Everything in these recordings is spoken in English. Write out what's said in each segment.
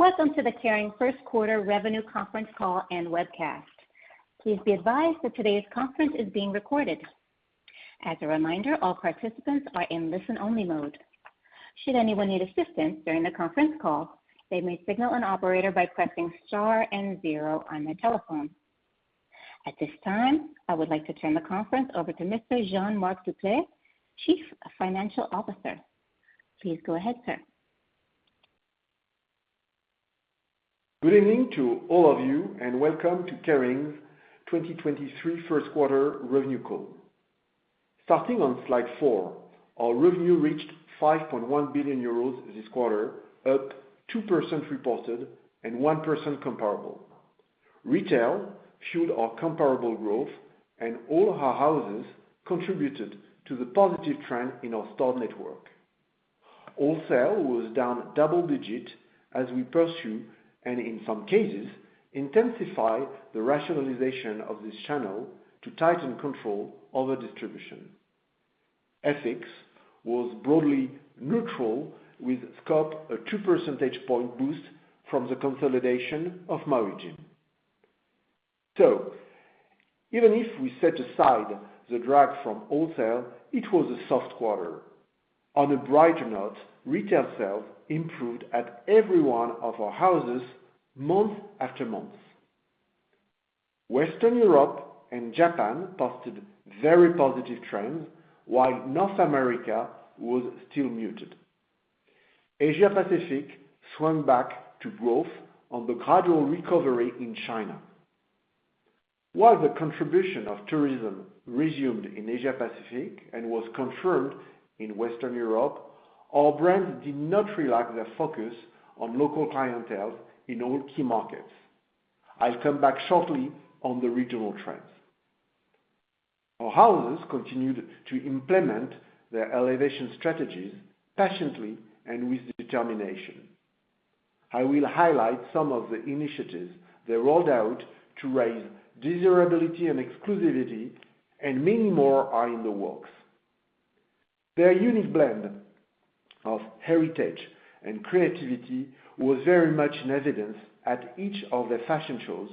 Welcome to the Kering first quarter revenue conference call and webcast. Please be advised that today's conference is being recorded. As a reminder, all participants are in listen-only mode. Should anyone need assistance during the conference call, they may signal an operator by pressing star and zero on their telephone. At this time, I would like to turn the conference over to Mr. Jean-Marc Duplaix, Chief Financial Officer. Please go ahead, sir. Good evening to all of you, and welcome to Kering's 2023 first quarter revenue call. Starting on slide 4, our revenue reached 5.1 billion euros this quarter, up 2% reported and 1% comparable. Retail fueled our comparable growth, and all our houses contributed to the positive trend in our store network. Wholesale was down double digit as we pursue, and in some cases, intensify the rationalization of this channel to tighten control over distribution. FX was broadly neutral, with scope a two percentage point boost from the consolidation of Marionnaud. Even if we set aside the drag from wholesale, it was a soft quarter. On a brighter note, retail sales improved at every one of our houses month after month. Western Europe and Japan posted very positive trends, while North America was still muted. Asia Pacific swung back to growth on the gradual recovery in China. While the contribution of tourism resumed in Asia Pacific and was confirmed in Western Europe, our brands did not relax their focus on local clientele in all key markets. I'll come back shortly on the regional trends. Our houses continued to implement their elevation strategies patiently and with determination. I will highlight some of the initiatives they rolled out to raise desirability and exclusivity. Many more are in the works. Their unique blend of heritage and creativity was very much in evidence at each of their fashion shows,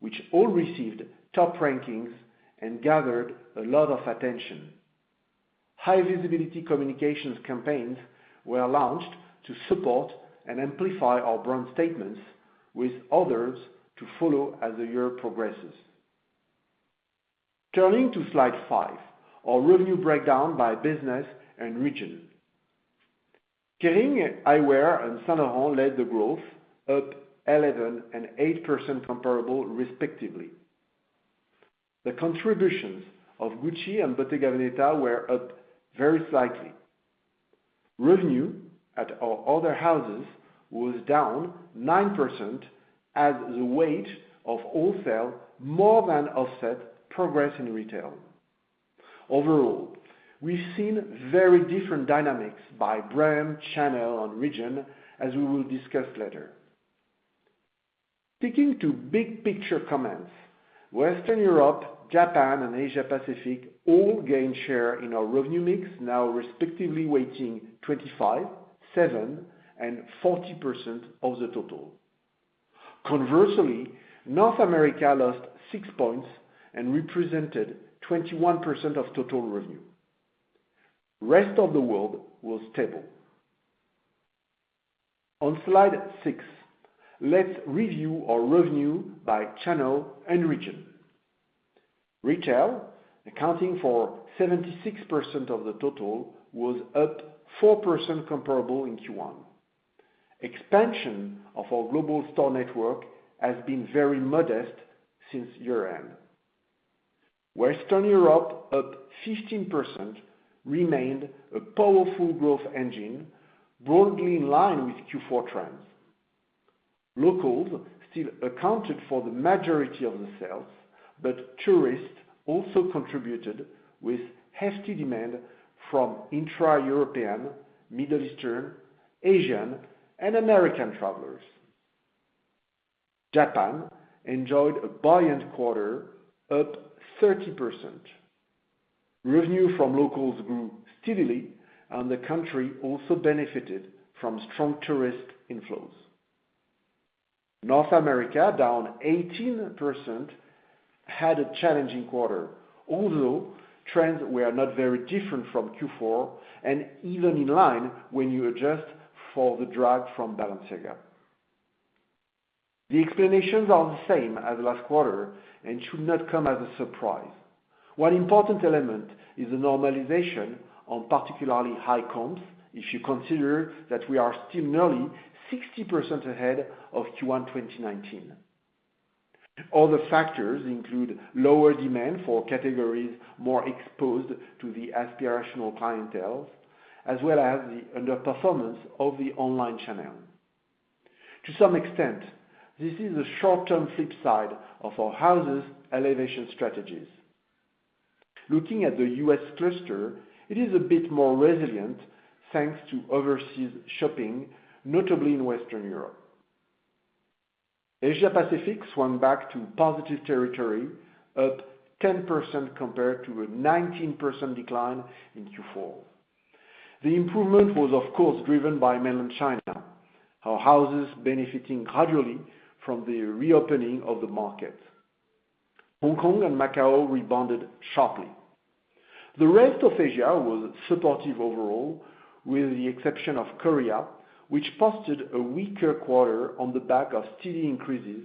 which all received top rankings and gathered a lot of attention. High visibility communications campaigns were launched to support and amplify our brand statements, with others to follow as the year progresses. Turning to slide 5, our revenue breakdown by business and region. Kering Eyewear and Saint Laurent led the growth, up 11% and 8% comparable respectively. The contributions of Gucci and Bottega Veneta were up very slightly. Revenue at our other houses was down 9% as the weight of wholesale more than offset progress in retail. We've seen very different dynamics by brand, channel, and region, as we will discuss later. Sticking to big picture comments, Western Europe, Japan, and Asia Pacific all gained share in our revenue mix, now respectively weighting 25%, 7%, and 40% of the total. Conversely, North America lost 6 points and represented 21% of total revenue. Rest of the world was stable. On slide 6, let's review our revenue by channel and region. Retail, accounting for 76% of the total, was up 4% comparable in Q1. Expansion of our global store network has been very modest since year-end. Western Europe, up 15%, remained a powerful growth engine, broadly in line with Q4 trends. Locals still accounted for the majority of the sales, but tourists also contributed with hefty demand from intra-European, Middle Eastern, Asian, and American travelers. Japan enjoyed a buoyant quarter, up 30%. Revenue from locals grew steadily, and the country also benefited from strong tourist inflows. North America, down 18%, had a challenging quarter, although trends were not very different from Q4 and even in line when you adjust for the drag from Balenciaga. The explanations are the same as last quarter and should not come as a surprise. One important element is the normalization on particularly high comps, if you consider that we are still nearly 60% ahead of Q1 2019. Other factors include lower demand for categories more exposed to the aspirational clienteles, as well as the underperformance of the online channel. To some extent, this is a short-term flip side of our houses' elevation strategies. Looking at the U.S. cluster, it is a bit more resilient, thanks to overseas shopping, notably in Western Europe. Asia Pacific swung back to positive territory, up 10% compared to a 19% decline in Q four. The improvement was of course driven by Mainland China. Our houses benefiting gradually from the reopening of the market. Hong Kong and Macau rebounded sharply. The rest of Asia was supportive overall, with the exception of Korea, which posted a weaker quarter on the back of steady increases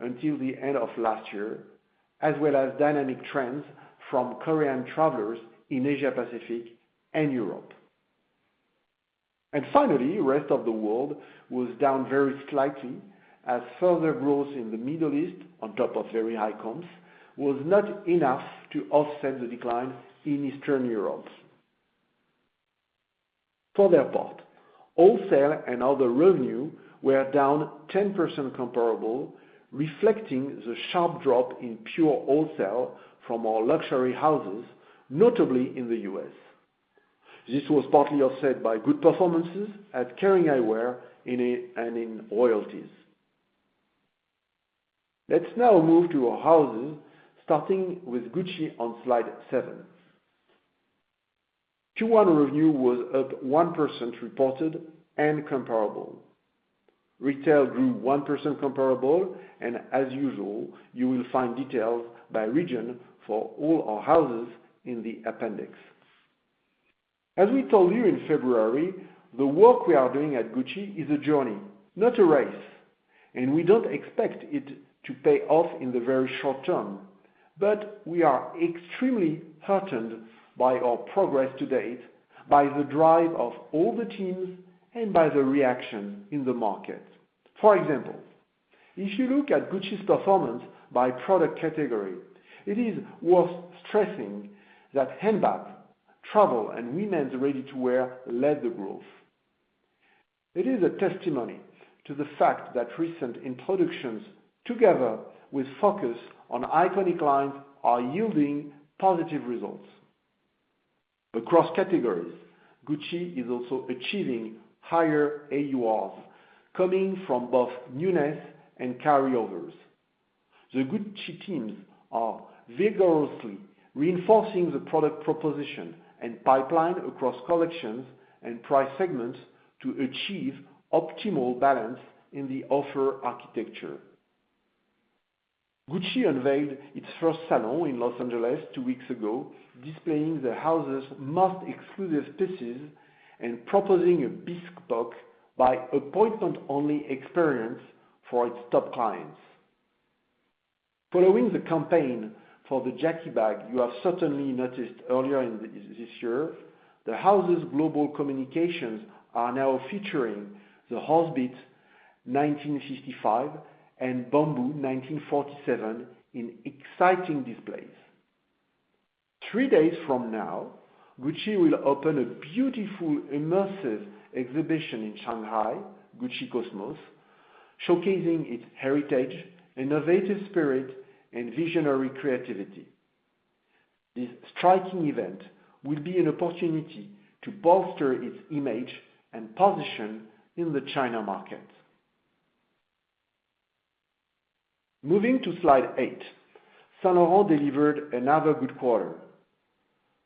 until the end of last year, as well as dynamic trends from Korean travelers in Asia Pacific and Europe. Finally, rest of the world was down very slightly as further growth in the Middle East on top of very high comps was not enough to offset the decline in Eastern Europe. For their part, wholesale and other revenue were down 10% comparable, reflecting the sharp drop in pure wholesale from our luxury houses, notably in the U.S. This was partly offset by good performances at Kering Eyewear and in royalties. Let's now move to our houses, starting with Gucci on slide 7. Q-one revenue was up 1% reported and comparable. Retail grew 1% comparable and as usual, you will find details by region for all our houses in the appendix. As we told you in February, the work we are doing at Gucci is a journey, not a race, and we don't expect it to pay off in the very short term, but we are extremely heartened by our progress to date, by the drive of all the teams and by the reaction in the market. For example, if you look at Gucci's performance by product category, it is worth stressing that handbags, travel and women's ready-to-wear led the growth. It is a testimony to the fact that recent introductions together with focus on iconic lines are yielding positive results. Across categories, Gucci is also achieving higher AURs coming from both newness and carryovers. The Gucci teams are vigorously reinforcing the product proposition and pipeline across collections and price segments to achieve optimal balance in the offer architecture. Gucci unveiled its first salon in L.A. two weeks ago, displaying the house's most exclusive pieces and proposing a bespoke by appointment only experience for its top clients. Following the campaign for the Jackie bag, you have certainly noticed earlier this year, the house's global communications are now featuring the Horsebit 1955 and Bamboo 1947 in exciting displays. Three days from now, Gucci will open a beautiful immersive exhibition in Shanghai, Gucci Cosmos, showcasing its heritage, innovative spirit and visionary creativity. This striking event will be an opportunity to bolster its image and position in the China market. Moving to slide 8, Saint Laurent delivered another good quarter.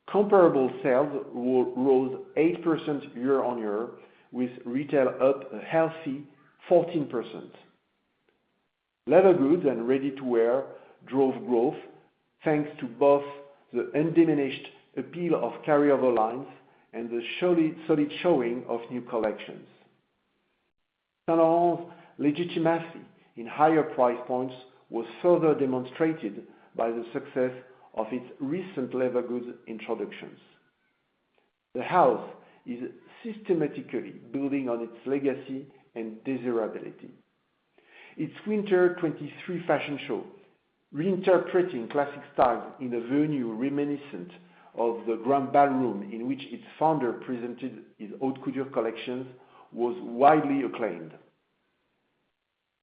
Comparable sales rose 8% year-on-year, with retail up a healthy 14%. Leather goods and ready-to-wear drove growth thanks to both the undiminished appeal of carryover lines and the solid showing of new collections. Saint Laurent's legitimacy in higher price points was further demonstrated by the success of its recent leather goods introductions. The house is systematically building on its legacy and desirability. Its winter 2023 fashion show, reinterpreting classic styles in a venue reminiscent of the grand ballroom in which its founder presented his haute couture collections, was widely acclaimed.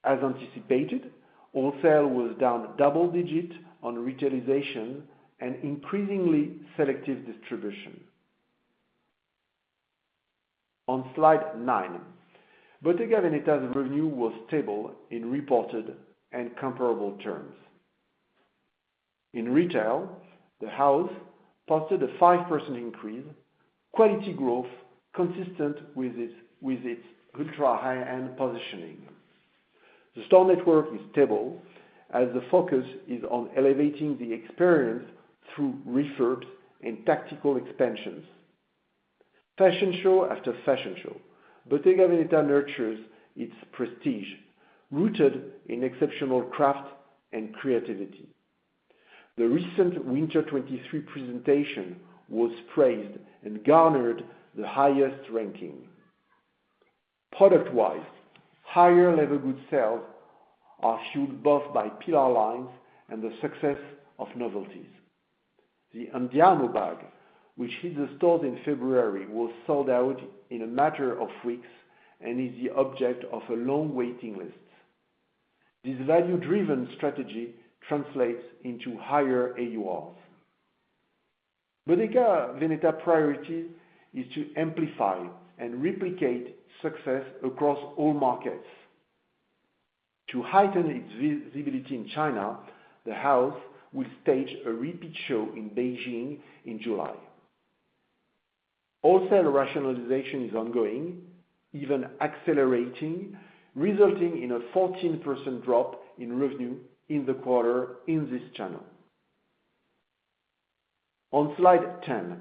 As anticipated, wholesale was down double digit on retailization and increasingly selective distribution. On slide 9, Bottega Veneta's revenue was stable in reported and comparable terms. In retail, the house posted a 5% increase, quality growth consistent with its ultra high-end positioning. The store network is stable as the focus is on elevating the experience through refurbs and tactical expansions. Fashion show after fashion show, Bottega Veneta nurtures its prestige, rooted in exceptional craft and creativity. The recent winter 2023 presentation was praised and garnered the highest ranking. Product-wise, higher leather goods sales are fueled both by pillar lines and the success of novelties. The Andiamo bag, which hit the stores in February, was sold out in a matter of weeks and is the object of a long waiting list. This value-driven strategy translates into higher AURs. Bottega Veneta priority is to amplify and replicate success across all markets. To heighten its visibility in China, the house will stage a repeat show in Beijing in July. Wholesale rationalization is ongoing, even accelerating, resulting in a 14% drop in revenue in the quarter in this channel. On slide 10,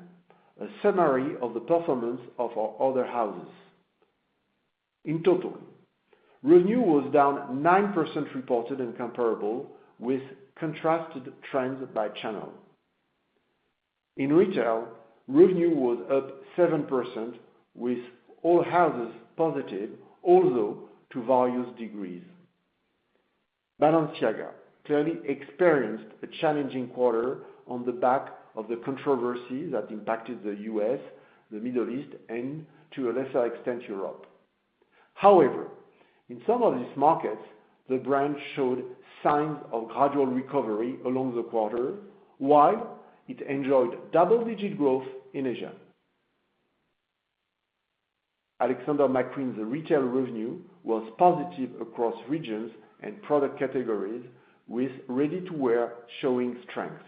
a summary of the performance of our other houses. In total, revenue was down 9% reported and comparable with contrasted trends by channel. In retail, revenue was up 7% with all houses positive, although to various degrees. Balenciaga clearly experienced a challenging quarter on the back of the controversy that impacted the U.S., the Middle East, and to a lesser extent, Europe. In some of these markets, the brand showed signs of gradual recovery along the quarter, while it enjoyed double-digit growth in Asia. Alexander McQueen's retail revenue was positive across regions and product categories, with ready-to-wear showing strength.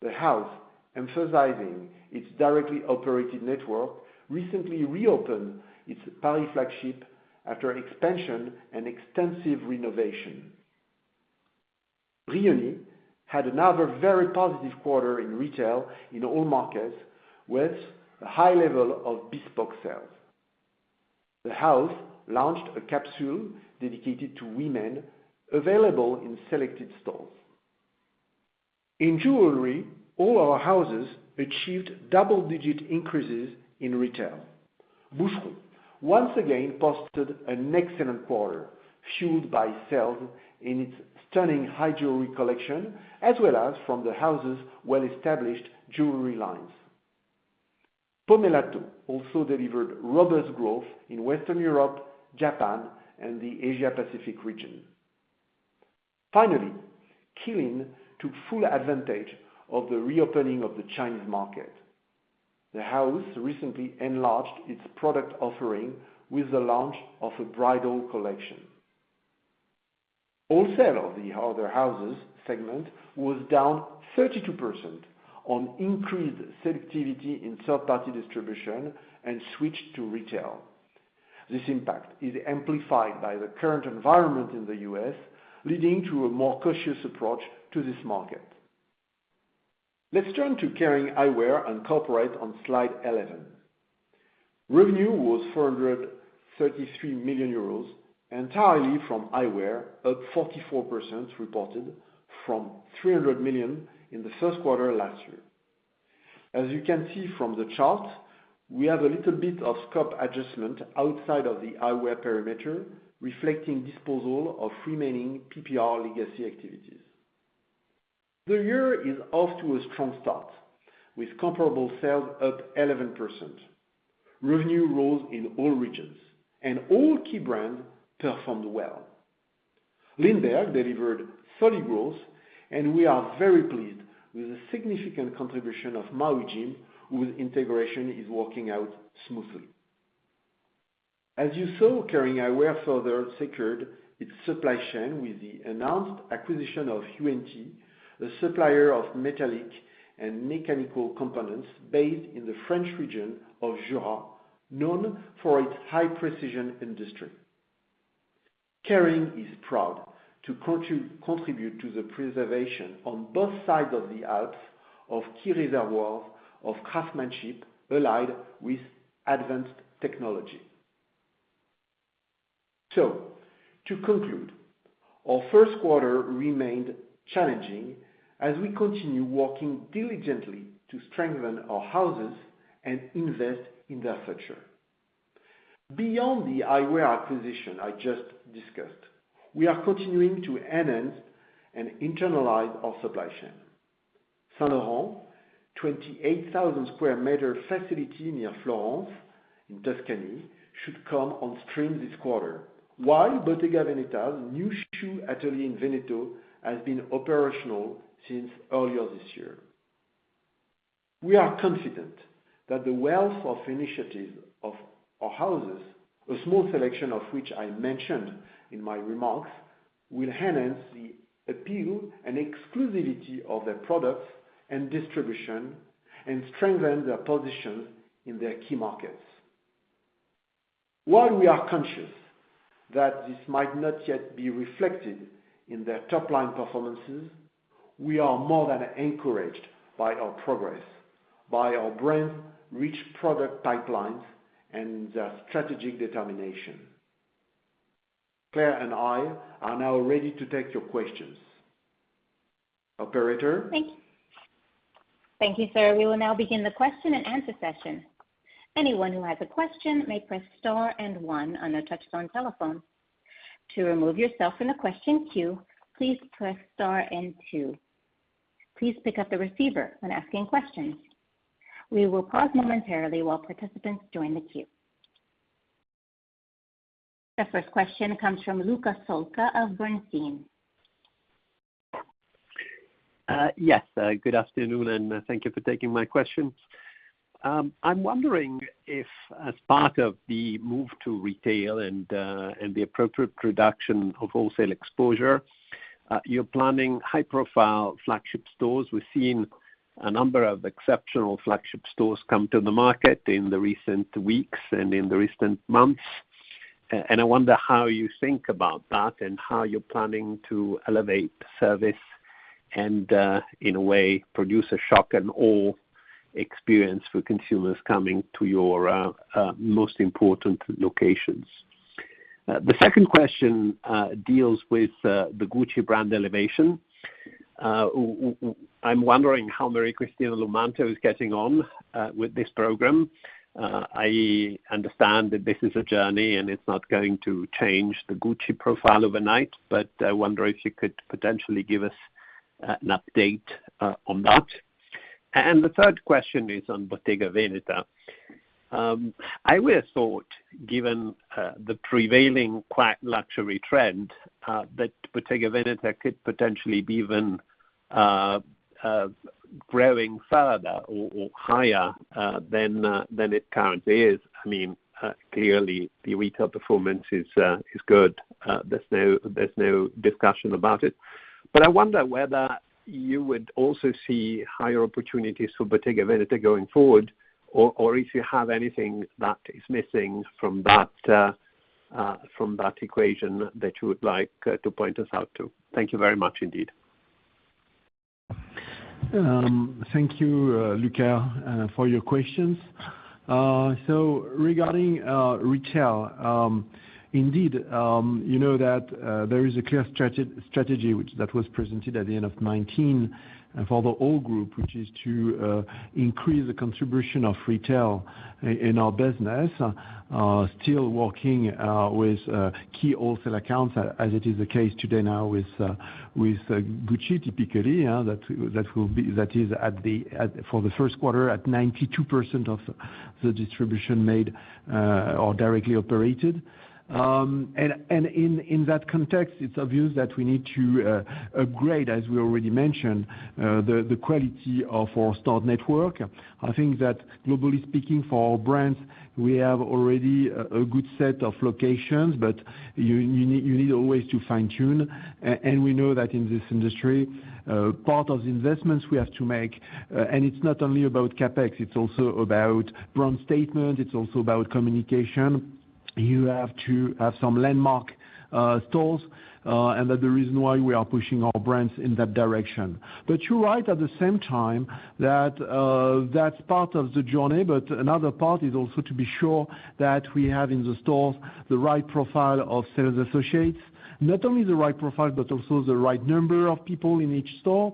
The house, emphasizing its directly operated network, recently reopened its Paris flagship after expansion and extensive renovation. Brioni had another very positive quarter in retail in all markets, with a high level of bespoke sales. The house launched a capsule dedicated to women available in selected stores. In jewelry, all our houses achieved double-digit increases in retail. Boucheron once again posted an excellent quarter, fueled by sales in its stunning high jewelry collection, as well as from the house's well-established jewelry lines. Pomellato also delivered robust growth in Western Europe, Japan, and the Asia Pacific region. Finally, Qeelin took full advantage of the reopening of the Chinese market. The house recently enlarged its product offering with the launch of a bridal collection. Wholesale of the other houses segment was down 32% on increased selectivity in third-party distribution and switched to retail. This impact is amplified by the current environment in the U.S., leading to a more cautious approach to this market. Let's turn to Kering Eyewear and Corporate on slide 11. Revenue was 433 million euros, entirely from Eyewear, up 44% reported from 300 million in the first quarter last year. As you can see from the chart, we have a little bit of scope adjustment outside of the eyewear perimeter, reflecting disposal of remaining PPR legacy activities. The year is off to a strong start with comparable sales up 11%. Revenue rose in all regions, and all key brands performed well. Lindberg delivered solid growth, and we are very pleased with the significant contribution of Maui Jim, whose integration is working out smoothly. As you saw, Kering Eyewear further secured its supply chain with the announced acquisition of UNT, a supplier of metallic and mechanical components based in the French region of Jura, known for its high-precision industry. Kering is proud to contribute to the preservation on both sides of the Alps of key reservoirs of craftsmanship allied with advanced technology. To conclude, our first quarter remained challenging as we continue working diligently to strengthen our houses and invest in their future. Beyond the eyewear acquisition I just discussed, we are continuing to enhance and internalize our supply chain. Saint Laurent, 28,000 sq m facility near Florence in Tuscany should come on stream this quarter, while Bottega Veneta's new shoe atelier in Veneto has been operational since earlier this year. We are confident that the wealth of initiatives of our houses, a small selection of which I mentioned in my remarks, will enhance the appeal and exclusivity of their products and distribution and strengthen their positions in their key markets. While we are conscious that this might not yet be reflected in their top-line performances, we are more than encouraged by our progress, by our brands' rich product pipelines, and their strategic determination. Claire and I are now ready to take your questions. Operator? Thank you, sir. We will now begin the question-and-answer session. Anyone who has a question may press star and one on their touchtone telephone. To remove yourself from the question queue, please press star and two. Please pick up the receiver when asking questions. We will pause momentarily while participants join the queue. The first question comes from Luca Solca of Bernstein. Yes, good afternoon, and thank you for taking my questions. I'm wondering if as part of the move to retail and the appropriate production of wholesale exposure, you're planning high-profile flagship stores. We've seen a number of exceptional flagship stores come to the market in the recent weeks and in the recent months. I wonder how you think about that and how you're planning to elevate service and in a way produce a shock and awe experience for consumers coming to your most important locations. The second question deals with the Gucci brand elevation. I'm wondering how Maria Cristina Lomanto is getting on with this program. I understand that this is a journey, and it's not going to change the Gucci profile overnight, but I wonder if you could potentially give us an update on that. The third question is on Bottega Veneta. I would've thought, given the prevailing quiet luxury trend, that Bottega Veneta could potentially be even growing further or higher than it currently is. I mean, clearly the retail performance is good. There's no discussion about it. I wonder whether you would also see higher opportunities for Bottega Veneta going forward, or if you have anything that is missing from that equation that you would like to point us out to. Thank you very much indeed. Thank you, Luca, for your questions. Regarding retail, indeed, you know that there is a clear strategy that was presented at the end of 2019 for the whole group, which is to increase the contribution of retail in our business, still working with key wholesale accounts as it is the case today now with Gucci typically, that will be, that is for the first quarter at 92% of the distribution made or directly operated. In that context, it's obvious that we need to upgrade, as we already mentioned, the quality of our store network. I think that globally speaking for our brands, we have already a good set of locations, but you need always to fine-tune. We know that in this industry, part of the investments we have to make, and it's not only about CapEx, it's also about brand statement, it's also about communication. You have to have some landmark stores, and that the reason why we are pushing our brands in that direction. You're right at the same time that that's part of the journey, but another part is also to be sure that we have in the stores the right profile of sales associates, not only the right profile but also the right number of people in each store.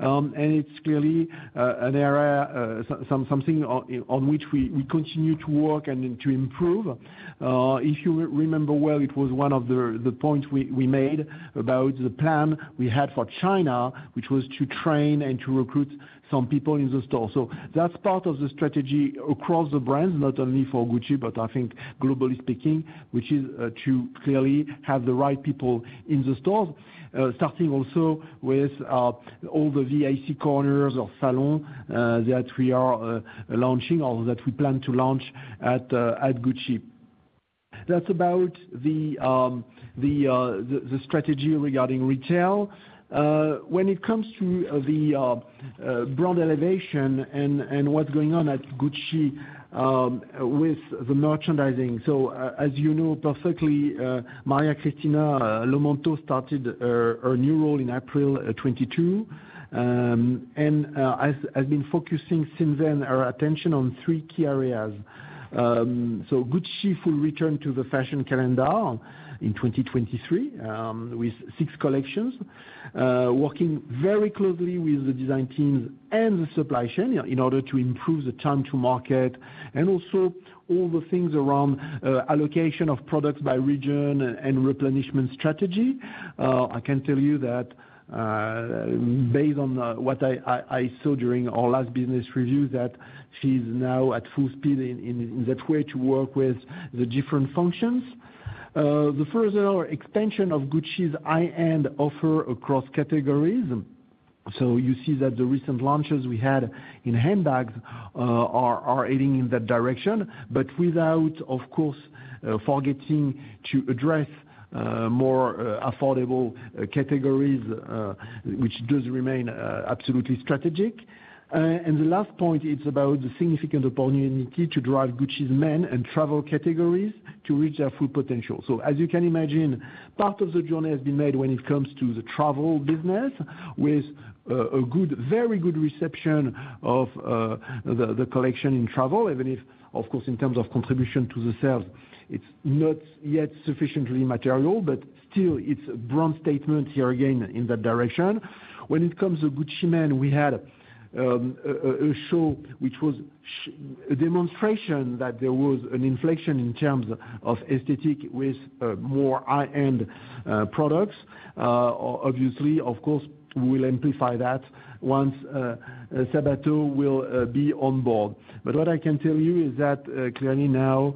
It's clearly an area, something on which we continue to work and to improve. If you remember well, it was one of the points we made about the plan we had for China, which was to train and to recruit some people in the store. That's part of the strategy across the brands, not only for Gucci, but I think globally speaking, which is to clearly have the right people in the stores, starting also with all the VIC corners of salon that we are launching or that we plan to launch at Gucci. That's about the strategy regarding retail. When it comes to the brand elevation and what's going on at Gucci, with the merchandising. As you know perfectly, Maria Cristina Lomanto started her new role in April 2022. Has been focusing since then her attention on three key areas. Gucci will return to the fashion calendar in 2023, with six collections, working very closely with the design teams and the supply chain in order to improve the time to market and also all the things around allocation of products by region and replenishment strategy. I can tell you that, based on what I saw during our last business review, that she's now at full speed in that way to work with the different functions. The further extension of Gucci's high-end offer across categories. You see that the recent launches we had in handbags are heading in that direction, but without, of course, forgetting to address more affordable categories, which does remain absolutely strategic. The last point, it's about the significant opportunity to drive Gucci's men and travel categories to reach their full potential. As you can imagine, part of the journey has been made when it comes to the travel business with a good, very good reception of the collection in travel, even if, of course, in terms of contribution to the sales, it's not yet sufficiently material. Still it's a brand statement here again in that direction. When it comes to Gucci Men, we had a show which was a demonstration that there was an inflection in terms of aesthetic with more high-end products. Obviously, of course, we'll amplify that once Sabato will be on board. What I can tell you is that clearly now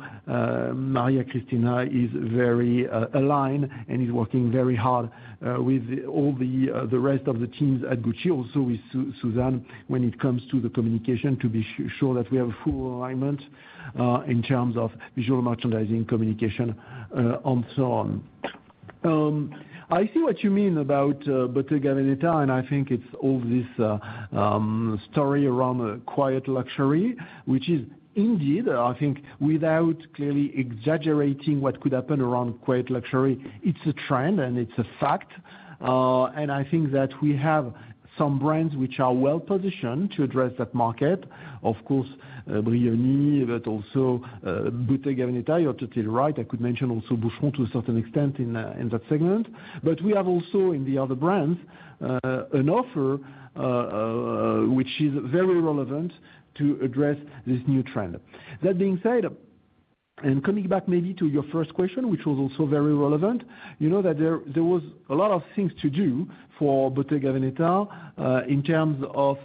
Maria Cristina is very aligned and is working very hard with all the rest of the teams at Gucci, also with Suzanne, when it comes to the communication, to be sure that we have full alignment in terms of visual merchandising communication, and so on. I see what you mean about Bottega Veneta, and I think it's all this story around quiet luxury, which is indeed, I think without clearly exaggerating what could happen around quiet luxury, it's a trend and it's a fact. I think that we have some brands which are well-positioned to address that market. Of course, Brioni, but also Bottega Veneta, you're totally right. I could mention also Boucheron to a certain extent in that segment. We have also, in the other brands, an offer which is very relevant to address this new trend. That being said, coming back maybe to your first question, which was also very relevant, you know that there was a lot of things to do for Bottega Veneta, in terms of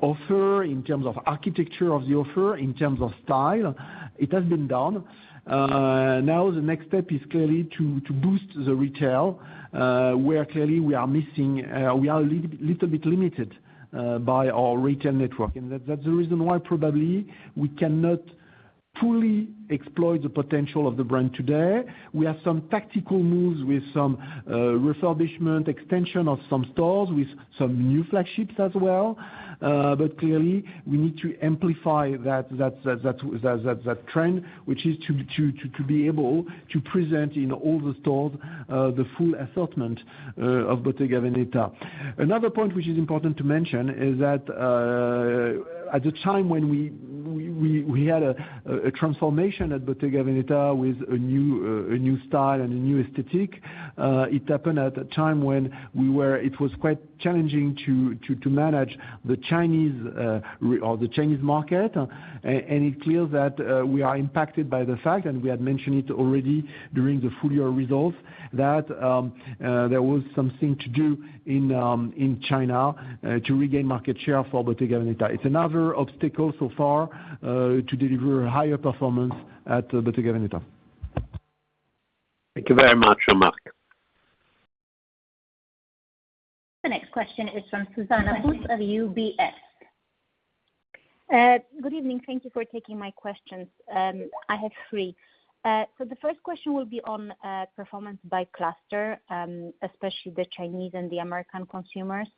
offer, in terms of architecture of the offer, in terms of style. It has been done. Now the next step is clearly to boost the retail, where clearly we are missing, we are a little bit limited by our retail network. That's the reason why probably we cannot fully exploit the potential of the brand today. We have some tactical moves with some refurbishment, extension of some stores with some new flagships as well. Clearly we need to amplify that trend, which is to be able to present in all the stores, the full assortment of Bottega Veneta. Another point which is important to mention is that at the time when we had a transformation at Bottega Veneta with a new style and a new aesthetic, it happened at a time when it was quite challenging to manage the Chinese or the Chinese market. It's clear that we are impacted by the fact, and we had mentioned it already during the full year results, that there was something to do in China to regain market share for Bottega Veneta. It's another obstacle so far, to deliver a higher performance at Bottega Veneta. Thank you very much, Jean-Marc. The next question is from Zuzanna Pusz of UBS. Good evening. Thank you for taking my questions. I have three. The first question will be on performance by cluster, especially the Chinese and the American consumers.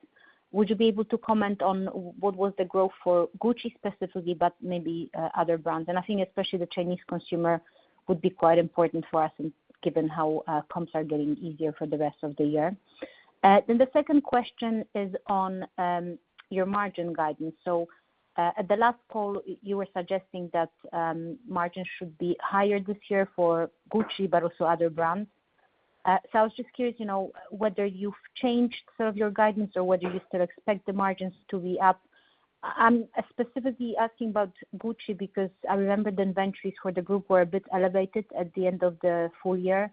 Would you be able to comment on what was the growth for Gucci specifically, but maybe other brands? I think especially the Chinese consumer would be quite important for us in, given how comps are getting easier for the rest of the year. The second question is on your margin guidance. At the last call, you were suggesting that margins should be higher this year for Gucci, but also other brands. I was just curious, you know, whether you've changed some of your guidance or whether you still expect the margins to be up. I'm specifically asking about Gucci because I remember the inventories for the group were a bit elevated at the end of the full year.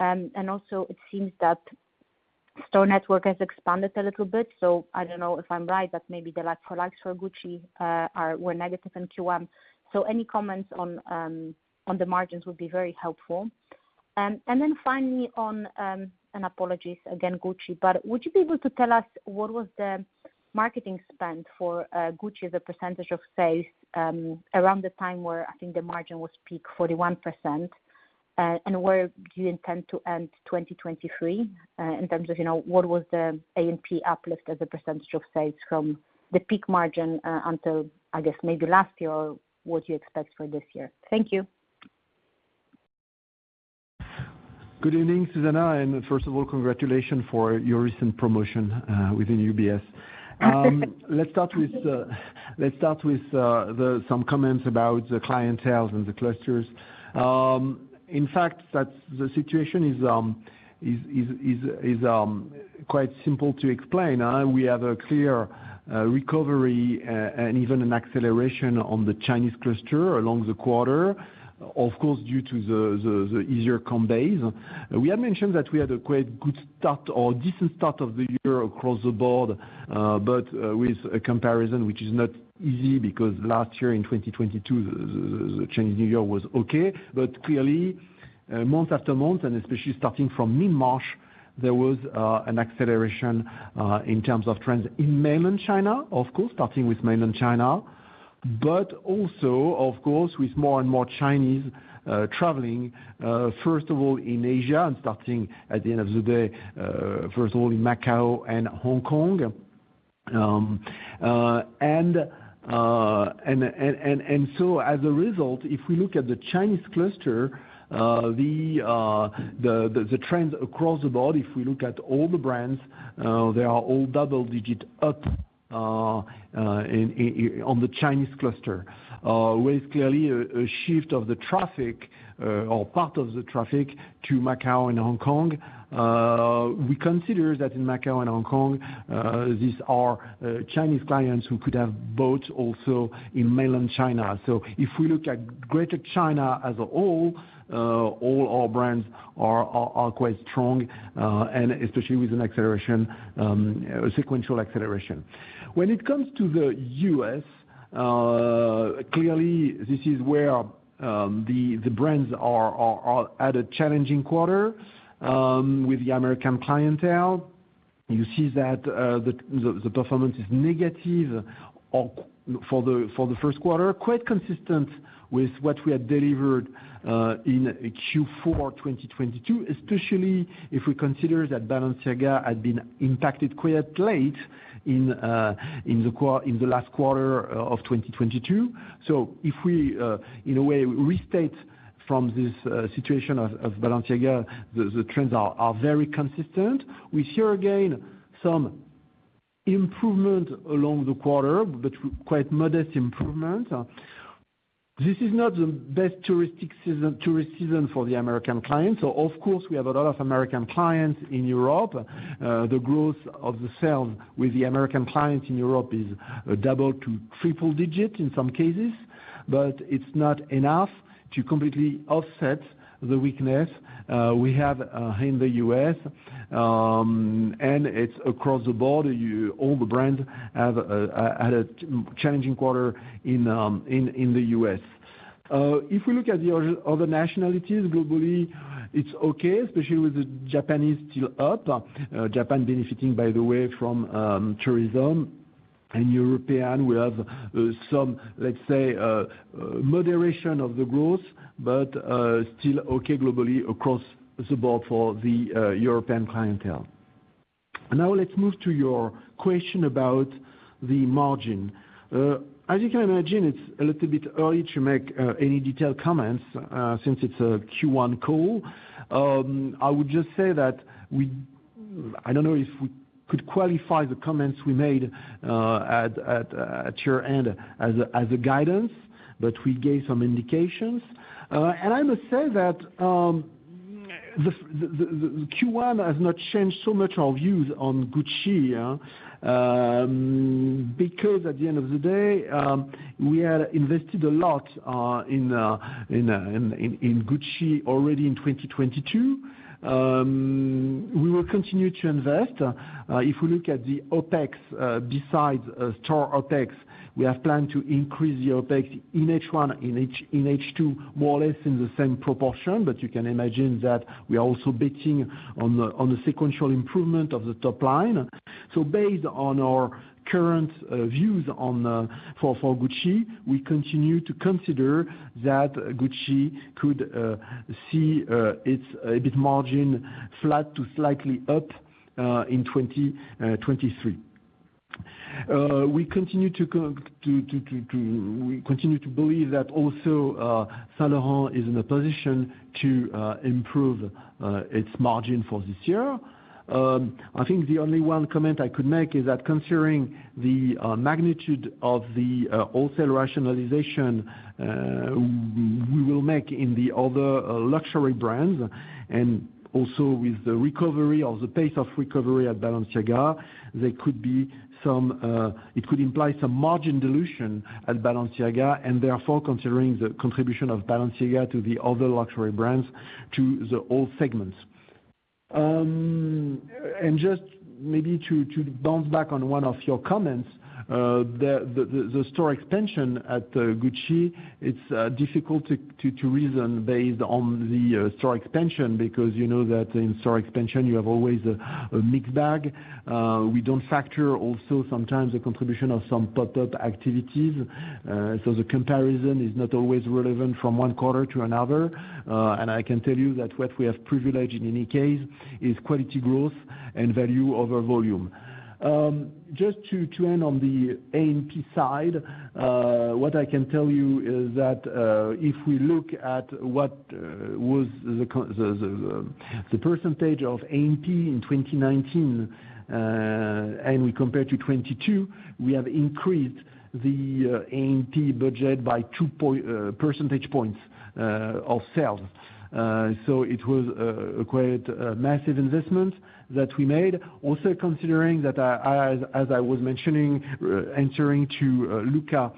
Also it seems that store network has expanded a little bit, I don't know if I'm right, but maybe the like-for-likes for Gucci are, were negative in Q1. Any comments on the margins would be very helpful. Finally on, and apologies again, Gucci, but would you be able to tell us what was the marketing spend for Gucci as a percentage of sales around the time where I think the margin was peak 41%? Where do you intend to end 2023, in terms of, you know, what was the A&P uplift as a percentage of sales from the peak margin, until, I guess, maybe last year or what you expect for this year? Thank you. Good evening, Susanna, and first of all, congratulations for your recent promotion within UBS. Let's start with some comments about the clienteles and the clusters. In fact, that's the situation is quite simple to explain. We have a clear recovery and even an acceleration on the Chinese cluster along the quarter, of course, due to the easier comp base. We had mentioned that we had a quite good start or decent start of the year across the board, but with a comparison which is not easy because last year in 2022, the Chinese New Year was okay. Clearly, month after month, and especially starting from mid-March, there was an acceleration in terms of trends in Mainland China, of course, starting with Mainland China, but also, of course, with more and more Chinese traveling, first of all, in Asia, and starting at the end of the day, first of all in Macau and Hong Kong. As a result, if we look at the Chinese cluster, the trends across the board, if we look at all the brands, they are all double digit up on the Chinese cluster, with clearly a shift of the traffic, or part of the traffic to Macau and Hong Kong. We consider that in Macau and Hong Kong, these are Chinese clients who could have boats also in mainland China. If we look at Greater China as a whole, all our brands are quite strong, and especially with an acceleration, sequential acceleration. When it comes to the U.S., clearly this is where the brands are at a challenging quarter with the American clientele. You see that the performance is negative for the first quarter, quite consistent with what we had delivered in Q4 of 2022, especially if we consider that Balenciaga had been impacted quite late in the last quarter of 2022. If we in a way restate from this situation of Balenciaga, the trends are very consistent. We see again some improvement along the quarter, but quite modest improvement. This is not the best tourist season for the American clients. Of course, we have a lot of American clients in Europe. The growth of the sales with the American clients in Europe is double to triple digit in some cases, but it's not enough to completely offset the weakness we have in the U.S. It's across the board. All the brands have a challenging quarter in the U.S. If we look at the other nationalities, globally, it's okay, especially with the Japanese still up. Japan benefiting, by the way, from tourism. In European, we have some, let's say, moderation of the growth, but still okay globally across the board for the European clientele. Let's move to your question about the margin. As you can imagine, it's a little bit early to make any detailed comments since it's a Q1 call. I would just say that we I don't know if we could qualify the comments we made at your end as a guidance, but we gave some indications. I must say that the Q1 has not changed so much our views on Gucci. Because at the end of the day, we had invested a lot in Gucci already in 2022. We will continue to invest. If we look at the OpEx, besides store OpEx, we have planned to increase the OpEx in H1, in H2, more or less in the same proportion. You can imagine that we are also betting on the sequential improvement of the top line. Based on our current views on for Gucci, we continue to consider that Gucci could see its EBIT margin flat to slightly up in 2023. We continue to believe that also Saint Laurent is in a position to improve its margin for this year. I think the only one comment I could make is that considering the magnitude of the wholesale rationalization we will make in the other luxury brands, and also with the recovery or the pace of recovery at Balenciaga, there could be some, it could imply some margin dilution at Balenciaga, and therefore, considering the contribution of Balenciaga to the other luxury brands, to the old segments. Just maybe to bounce back on one of your comments, the store expansion at Gucci, it's difficult to reason based on the store expansion, because you know that in store expansion you have always a mixed bag. We don't factor also sometimes the contribution of some pop-up activities, so the comparison is not always relevant from one quarter to another. I can tell you that what we have privileged in any case is quality growth and value over volume. Just to end on the A&P side, what I can tell you is that if we look at what was the percentage of A&P in 2019, and we compare to 2022, we have increased the A&P budget by two percentage points of sales. So it was a quite massive investment that we made. Considering that, as I was mentioning, entering to Luca,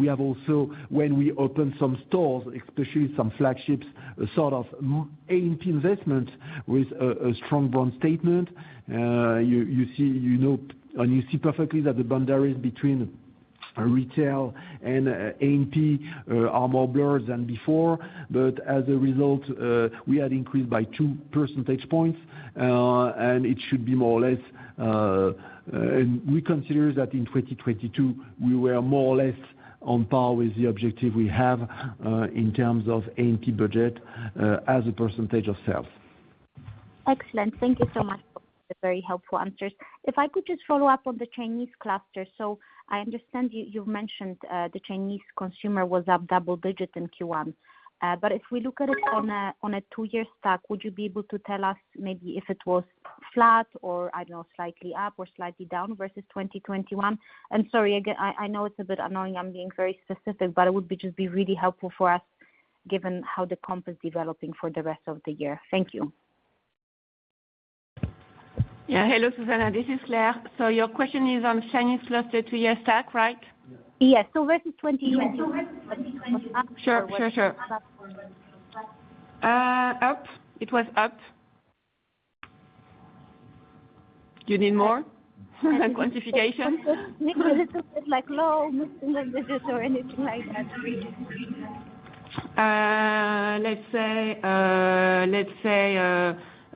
we have also, when we open some stores, especially some flagships, a sort of A&P investment with a strong brand statement, you see, you know, and you see perfectly that the boundaries between retail and A&P are more blurred than before. As a result, we had increased by 2 percentage points, and it should be more or less. We consider that in 2022, we were more or less on par with the objective we have, in terms of A&P budget, as a percentage of sales. Excellent. Thank you so much for the very helpful answers. If I could just follow up on the Chinese cluster. I understand you mentioned the Chinese consumer was up double digits in Q1. If we look at it on a 2-year stack, would you be able to tell us maybe if it was flat or, I don't know, slightly up or slightly down versus 2021. Sorry, I know it's a bit annoying, I'm being very specific, but it would just be really helpful for us given how the comp is developing for the rest of the year. Thank you. Yeah. Hello, Zuzanna. This is Claire. Your question is on Chinese cluster two-year stack, right? Yes. versus 2021 Sure, sure. It was up. You need more quantification? Like low single digits or anything like that. let's say,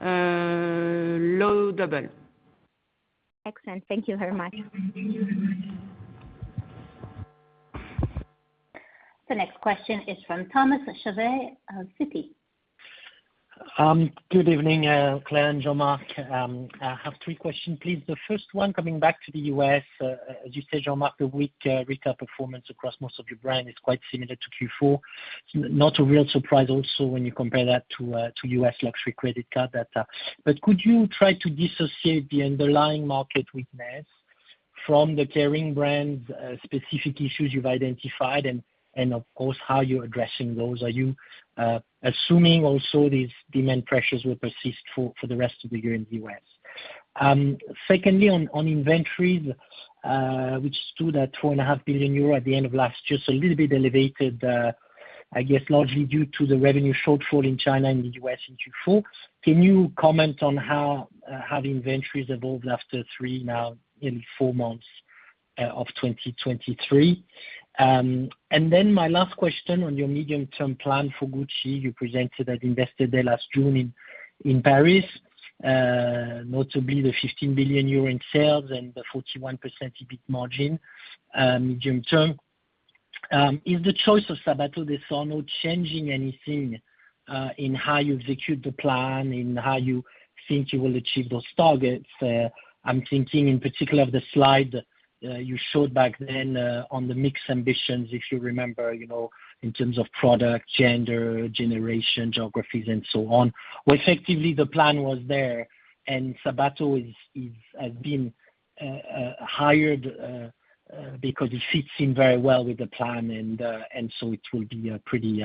low double. Excellent. Thank you very much. The next question is from Thomas Chauvet, Citi. Good evening, Claire and Jean-Marc. I have three questions, please. The first one coming back to the U.S. As you said, Jean-Marc, the weak retail performance across most of your brand is quite similar to Q4. Not a real surprise also when you compare that to U.S. luxury credit card data. Could you try to dissociate the underlying market weakness from the Kering brand specific issues you've identified? And of course, how you're addressing those. Are you assuming also these demand pressures will persist for the rest of the year in the U.S.? Secondly, on inventories, which stood at 2.5 billion euros at the end of last year, so a little bit elevated, I guess largely due to the revenue shortfall in China and the U.S. in Q4. Can you comment on how the inventories evolved after three now, nearly four months of 2023? My last question on your medium term plan for Gucci, you presented at Investor Day last June in Paris. Notably the 15 billion euro in sales and the 41% EBIT margin medium term. Is the choice of Sabato De Sarno changing anything in how you execute the plan, in how you think you will achieve those targets? I'm thinking in particular of the slide you showed back then on the mix ambitions, if you remember, you know, in terms of product, gender, generation, geographies and so on. Effectively the plan was there, and Sabato has been hired because he fits in very well with the plan and so it will be pretty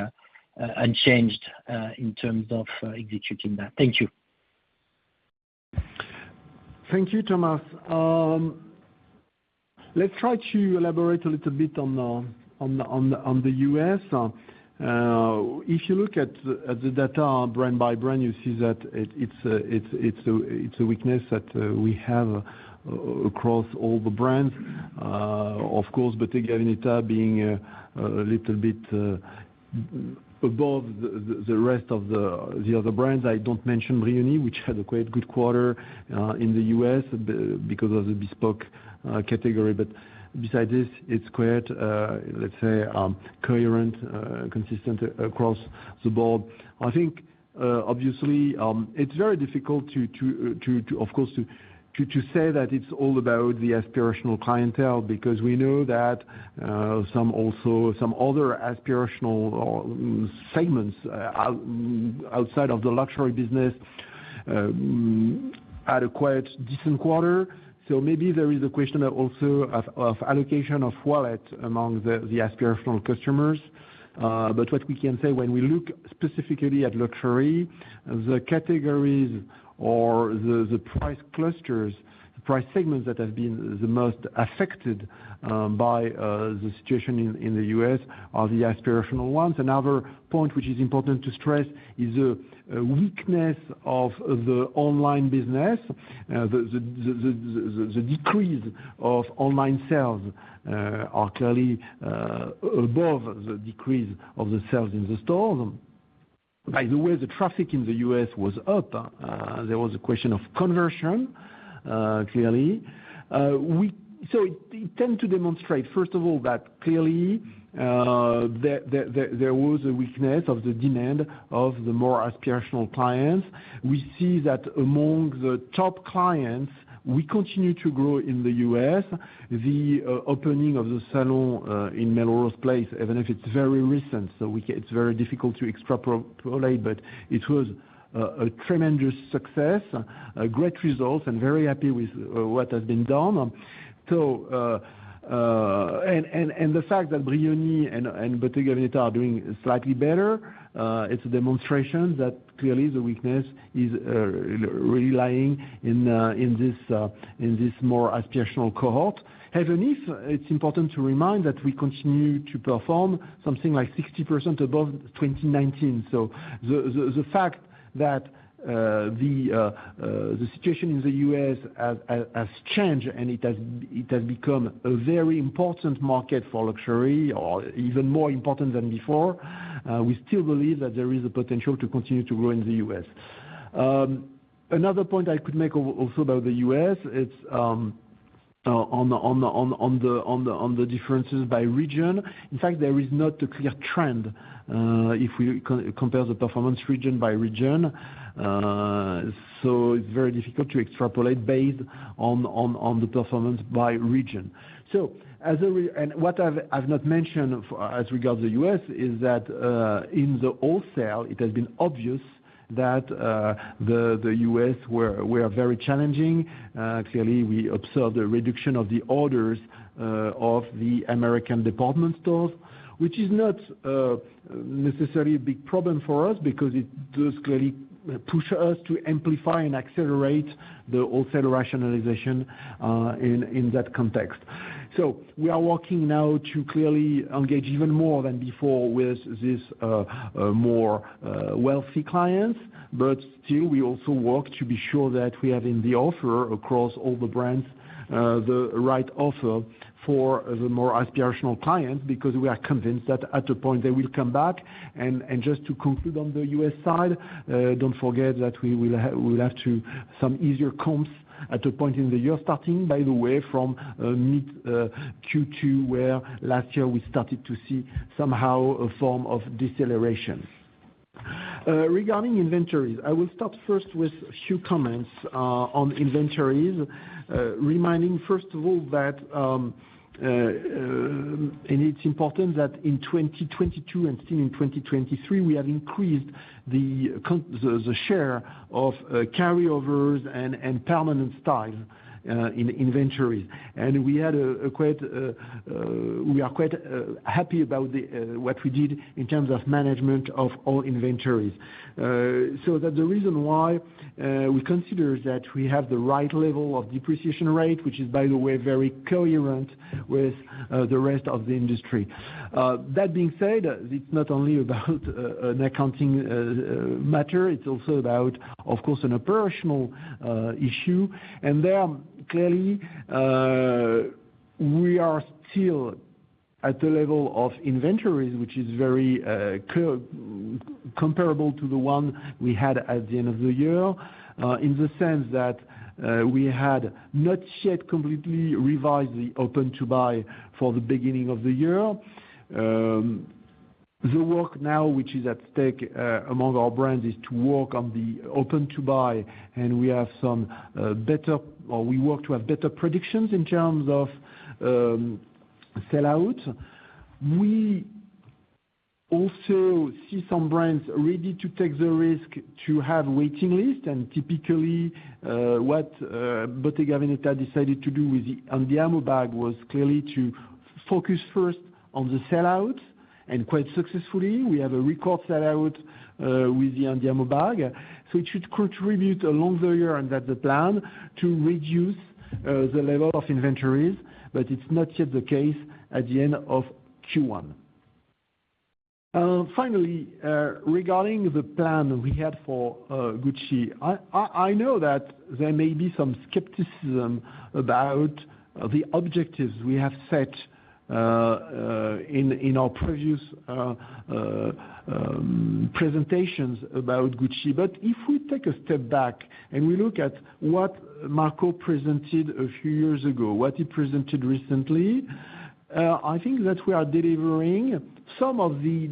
unchanged in terms of executing that. Thank you. Thank you, Thomas. Let's try to elaborate a little bit on the U.S. If you look at the data brand by brand, you see that it's a weakness that we have across all the brands. Of course, Bottega Veneta being a little bit above the rest of the other brands. I don't mention Brioni, which had a quite good quarter in the U.S. because of the bespoke category. Besides this, it's quite, let's say, coherent, consistent across the board. I think, obviously, it's very difficult to, of course, to say that it's all about the aspirational clientele, because we know that some also, some other aspirational segments outside of the luxury business had a quite decent quarter. Maybe there is a question also of allocation of wallet among the aspirational customers. What we can say when we look specifically at luxury, the categories or the price clusters, the price segments that have been the most affected by the situation in the U.S. are the aspirational ones. Another point which is important to stress is the weakness of the online business. The decrease of online sales are clearly above the decrease of the sales in the stores. By the way, the traffic in the U.S. was up. There was a question of conversion, clearly. It tend to demonstrate, first of all, that clearly, there was a weakness of the demand of the more aspirational clients. We see that among the top clients, we continue to grow in the U.S. The opening of the salon in Melrose Place, even if it's very recent, so it's very difficult to extrapolate, but it was a tremendous success, a great result, and very happy with what has been done. The fact that Brioni and Bottega Veneta are doing slightly better, it's a demonstration that clearly the weakness is relying in this more aspirational cohort. Even if it's important to remind that we continue to perform something like 60% above 2019. The fact that the situation in the U.S. has changed and it has become a very important market for luxury or even more important than before, we still believe that there is a potential to continue to grow in the U.S. Another point I could make also about the U.S. is on the differences by region. In fact, there is not a clear trend if we compare the performance region by region. It's very difficult to extrapolate based on the performance by region. What I've not mentioned of, as regard the U.S. is that, in the wholesale it has been obvious that, the U.S. we are very challenging. Clearly we observe the reduction of the orders of the American department stores, which is not necessarily a big problem for us because it does clearly push us to amplify and accelerate the wholesale rationalization in that context. We are working now to clearly engage even more than before with these more wealthy clients. Still, we also work to be sure that we are in the offer across all the brands, the right offer for the more aspirational client, because we are convinced that at a point they will come back. Just to conclude on the U.S. side, don't forget that we will have to some easier comps at a point in the year starting, by the way, from mid Q2, where last year we started to see somehow a form of deceleration. Regarding inventories, I will start first with a few comments on inventories. Reminding first of all that it's important that in 2022 and still in 2023, we have increased the share of carryovers and permanent styles in inventories. We are quite happy about what we did in terms of management of all inventories. That the reason why we consider that we have the right level of depreciation rate, which is, by the way, very coherent with the rest of the industry. That being said, it's not only about an accounting matter, it's also about, of course, an operational issue. There, clearly, we are still at the level of inventories, which is very comparable to the one we had at the end of the year, in the sense that we had not yet completely revised the Open-to-Buy for the beginning of the year. The work now, which is at stake among our brands, is to work on the Open-to-Buy, and we have some better, or we work to have better predictions in terms of sell-out. We also see some brands ready to take the risk to have waiting lists. Typically, what Bottega Veneta decided to do with the Andiamo bag was clearly to focus first on the sell-out, and quite successfully. We have a record sell-out with the Andiamo bag, so it should contribute along the year. That's the plan, to reduce the level of inventories, but it's not yet the case at the end of Q1. Finally, regarding the plan we had for Gucci, I know that there may be some skepticism about the objectives we have set in our previous presentations about Gucci. If we take a step back and we look at what Marco presented a few years ago, what he presented recently, I think that we are delivering some of the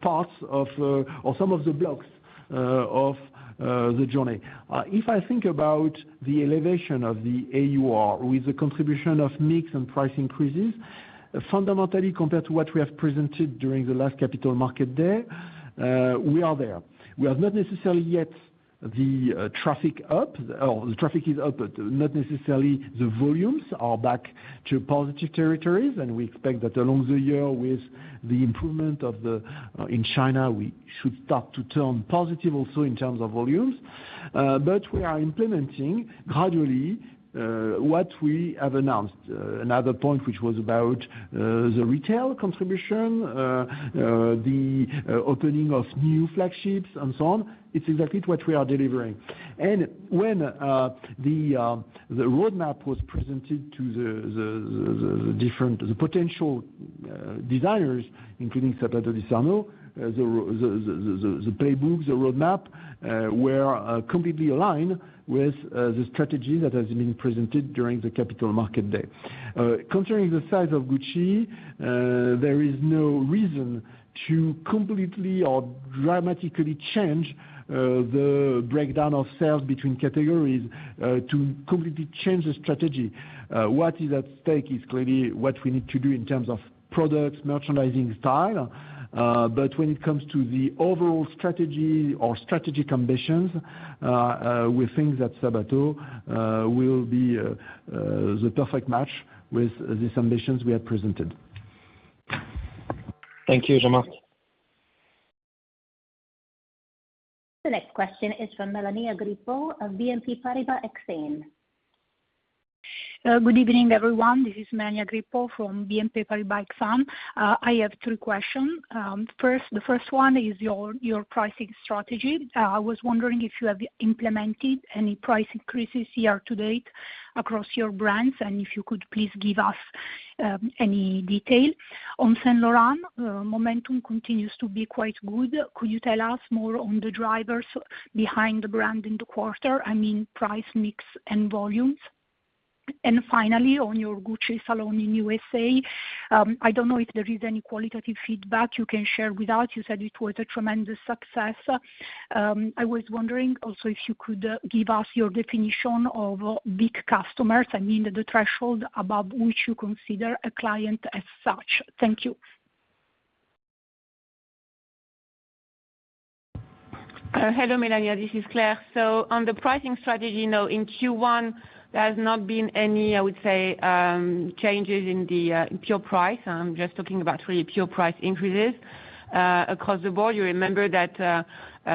parts of or some of the blocks of the journey. If I think about the elevation of the AUR with the contribution of mix and price increases, fundamentally, compared to what we have presented during the last Capital Markets Day, we are there. We have not necessarily yet the traffic up. The traffic is up, but not necessarily the volumes are back to positive territories. We expect that along the year with the improvement of the in China, we should start to turn positive also in terms of volumes. We are implementing gradually what we have announced. Another point which was about the retail contribution, the opening of new flagships and so on, it's exactly what we are delivering. When the roadmap was presented to the different potential designers, including Sabato De Sarno, the playbook, the roadmap, were completely aligned with the strategy that has been presented during the Capital Markets Day. Concerning the size of Gucci, there is no reason to completely or dramatically change the breakdown of sales between categories, to completely change the strategy. What is at stake is clearly what we need to do in terms of products, merchandising style. When it comes to the overall strategy or strategy conditions, we think that Sabato will be the perfect match with these ambitions we have presented. Thank you, Jean-Marc. The next question is from Melania Grippo of BNP Paribas Exane. Good evening, everyone. This is Melania Grippo from BNP Paribas Exane. I have 3 questions. First, the first one is your pricing strategy. I was wondering if you have implemented any price increases year to date across your brands, and if you could please give us any detail on Saint Laurent, momentum continues to be quite good. Could you tell us more on the drivers behind the brand in the quarter? I mean, price, mix and volumes. Finally, on your Gucci Salon in U.S.A, I don't know if there is any qualitative feedback you can share with us. You said it was a tremendous success. I was wondering also if you could give us your definition of big customers, I mean the threshold above which you consider a client as such. Thank you. Hello Melania, this is Claire. On the pricing strategy, you know, in Q1 there has not been any, I would say, changes in the pure price. I'm just talking about really pure price increases across the board. You remember that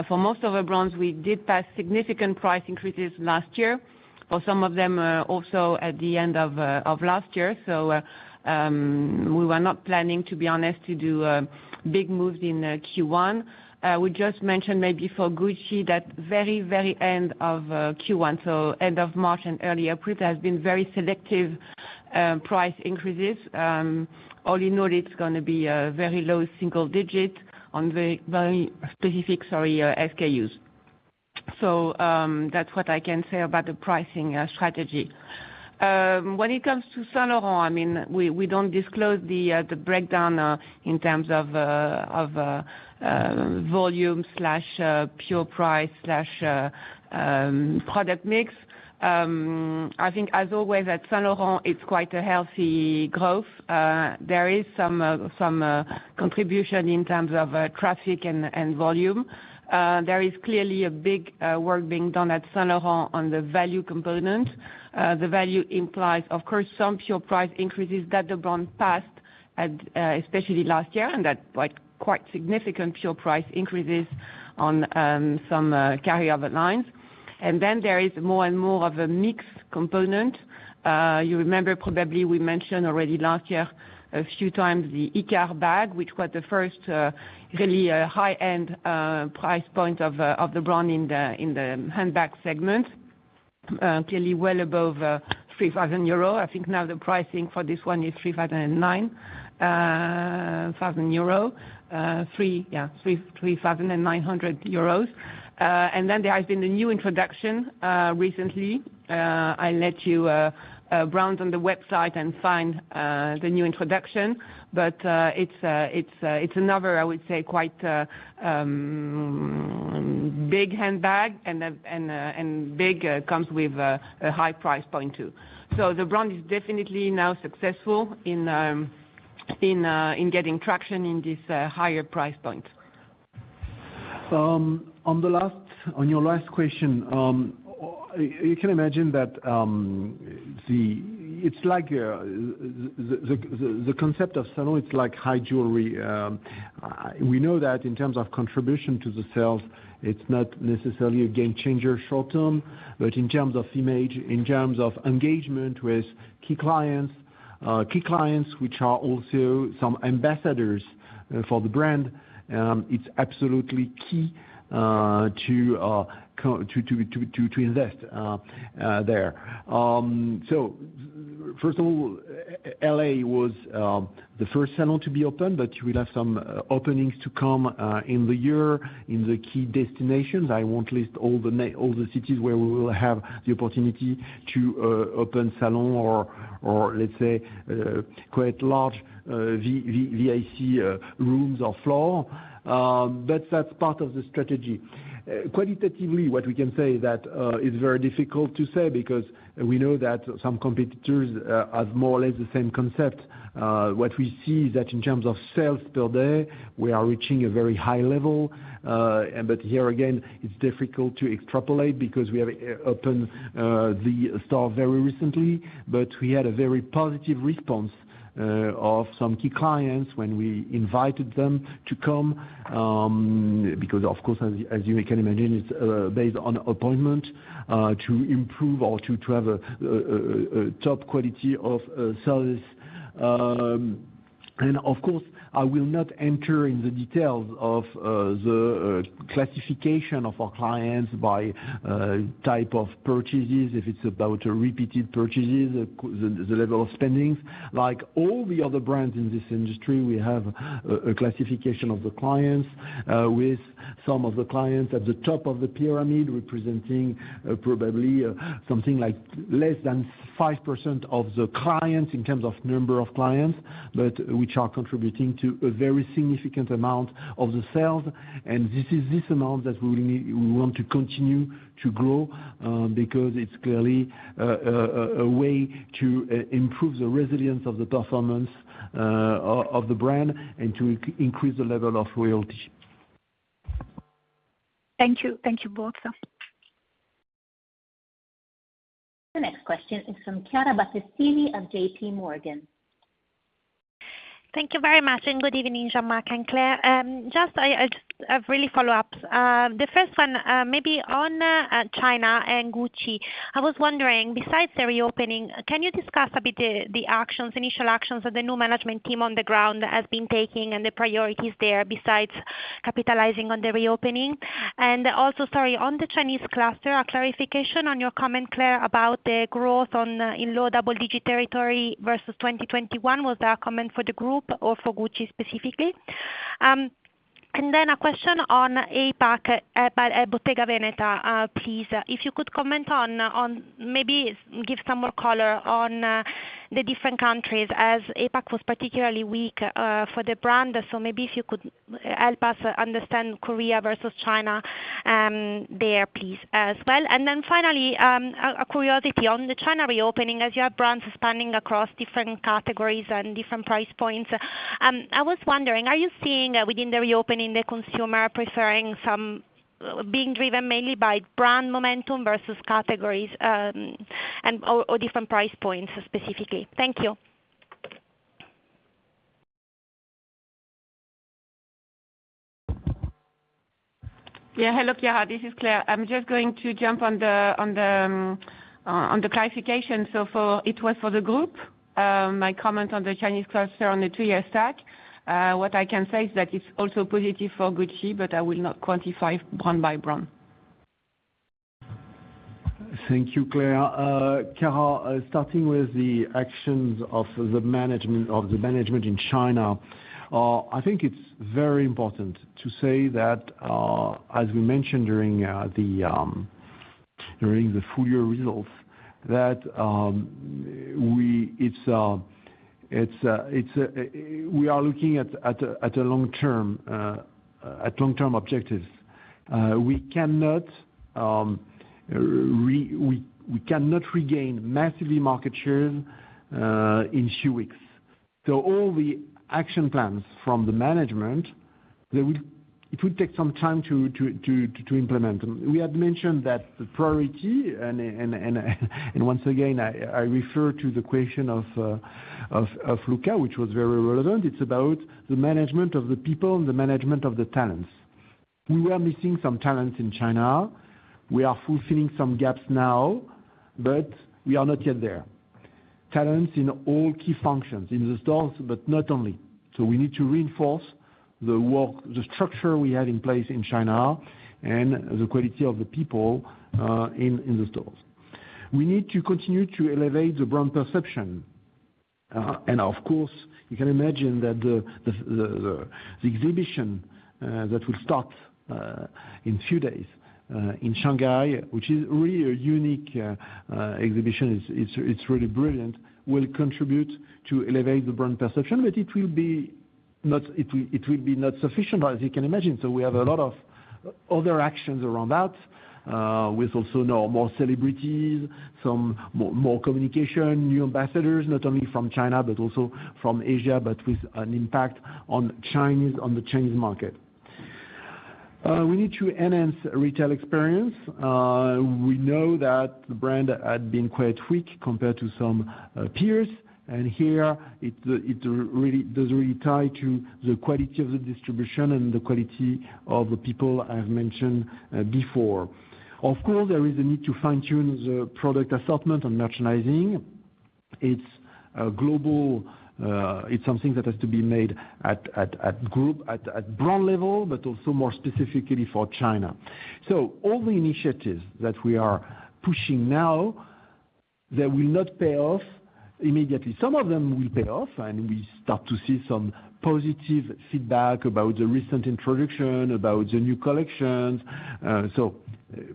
for most of our brands, we did pass significant price increases last year for some of them, also at the end of last year. We were not planning, to be honest, to do big moves in Q1. We just mentioned maybe for Gucci that very, very end of Q1, so end of March and early April, there has been very selective price increases. All in all it's gonna be a very low single digit on very, very specific, sorry, SKUs. That's what I can say about the pricing strategy. When it comes to Saint Laurent, I mean, we don't disclose the breakdown in terms of volume slash pure price slash product mix. I think as always at Saint Laurent it's quite a healthy growth. There is some contribution in terms of traffic and volume. There is clearly a big work being done at Saint Laurent on the value component. The value implies of course some pure price increases that the brand passed at especially last year, and that quite significant pure price increases on some carryover lines. There is more and more of a mix component. You remember probably we mentioned already last year a few times the Icare bag, which was the first really high-end price point of the brand in the handbag segment, clearly well above 3,000 euro. I think now the pricing for this one is EUR 3,900. There has been a new introduction recently. I let you browse on the website and find the new introduction, it's another, I would say quite big handbag and big comes with a high price point too. The brand is definitely now successful in getting traction in this higher price point. On the last, on your last question, you can imagine that the concept of salon, it's like high jewelry. We know that in terms of contribution to the sales, it's not necessarily a game changer short term. In terms of image, in terms of engagement with key clients, key clients which are also some ambassadors for the brand, it's absolutely key to invest there. First of all, L.A. was the first salon to be opened, but you will have some openings to come in the year in the key destinations. I won't list all the cities where we will have the opportunity to open salon or let's say, quite large VIC rooms or floor. That's part of the strategy. Qualitatively, what we can say is that it's very difficult to say because we know that some competitors have more or less the same concept. What we see is that in terms of sales per day, we are reaching a very high level. Here again, it's difficult to extrapolate because we have opened the store very recently. We had a very positive response of some key clients when we invited them to come, because of course as you, as you can imagine, it's based on appointment to improve or to have a top quality of sales. Of course, I will not enter in the details of the classification of our clients by type of purchases, if it's about repeated purchases, the level of spendings. Like all the other brands in this industry, we have a classification of the clients with some of the clients at the top of the pyramid representing probably something like less than 5% of the clients in terms of number of clients, but which are contributing to a very significant amount of the sales. This amount that we need, we want to continue to grow, because it's clearly a way to improve the resilience of the performance of the brand and to increase the level of loyalty. Thank you. Thank you both. The next question is from Chiara Battistini of JP Morgan. Thank you very much. Good evening, Jean-Marc and Claire. Just I have really follow-ups. The first one, maybe on China and Gucci. I was wondering, besides the reopening, can you discuss a bit the actions, initial actions of the new management team on the ground has been taking and the priorities there besides capitalizing on the reopening? Also, sorry, on the Chinese cluster, a clarification on your comment, Claire, about the growth in low double digit territory versus 2021. Was that a comment for the group or for Gucci specifically? A question on APAC about Bottega Veneta, please. If you could comment on maybe give some more color on the different countries as APAC was particularly weak for the brand? Maybe if you could help us understand Korea versus China there, please, as well? Finally, a curiosity on the China reopening. As you have brands spanning across different categories and different price points, I was wondering, are you seeing within the reopening the consumer preferring being driven mainly by brand momentum versus categories, and or different price points specifically? Thank you. Yeah. Hello, Chiara, this is Claire. I'm just going to jump on the clarification. It was for the group, my comment on the Chinese cluster on the 2-year stack. What I can say is that it's also positive for Gucci, but I will not quantify brand by brand. Thank you, Claire. Chiara, starting with the actions of the management in China, I think it's very important to say that as we mentioned during the full year results, that it's, we are looking at long-term objectives. We cannot regain massively market share in few weeks. All the action plans from the management, it will take some time to implement. We had mentioned that the priority and once again, I refer to the question of Luca, which was very relevant. It's about the management of the people and the management of the talents. We were missing some talents in China. We are fulfilling some gaps now, but we are not yet there. Talents in all key functions, in the stores, but not only. We need to reinforce the work, the structure we have in place in China and the quality of the people in the stores. We need to continue to elevate the brand perception. Of course, you can imagine that the exhibition that will start in few days in Shanghai, which is really a unique exhibition, it's really brilliant, will contribute to elevate the brand perception, but it will be not sufficient, as you can imagine. We have a lot of other actions around that, with also now more celebrities, more communication, new ambassadors, not only from China, but also from Asia, but with an impact on the Chinese market. We need to enhance retail experience. We know that the brand had been quite weak compared to some peers. Here it really does tie to the quality of the distribution and the quality of the people I've mentioned before. Of course, there is a need to fine-tune the product assortment and merchandising. It's a global, it's something that has to be made at group, at brand level, but also more specifically for China. All the initiatives that we are pushing now, they will not pay off immediately. Some of them will pay off. We start to see some positive feedback about the recent introduction, about the new collections.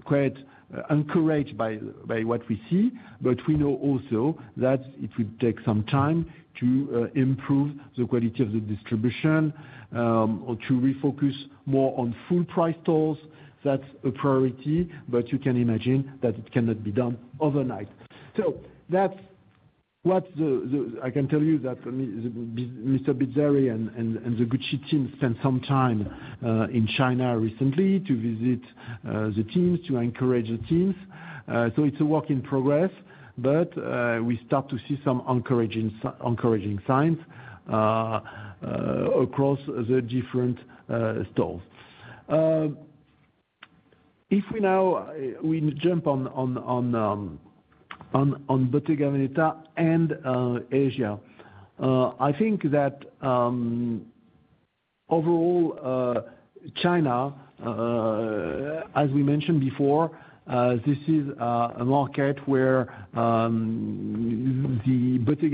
Quite encouraged by what we see, but we know also that it will take some time to improve the quality of the distribution or to refocus more on full price stores. That's a priority, but you can imagine that it cannot be done overnight. That's what the I can tell you that Mr. Bizzarri and the Gucci team spent some time in China recently to visit the teams, to encourage the teams. It's a work in progress, but we start to see some encouraging signs across the different stores. If we now, we jump on Bottega Veneta and Asia. I think that overall China, as we mentioned before, this is a market where Bottega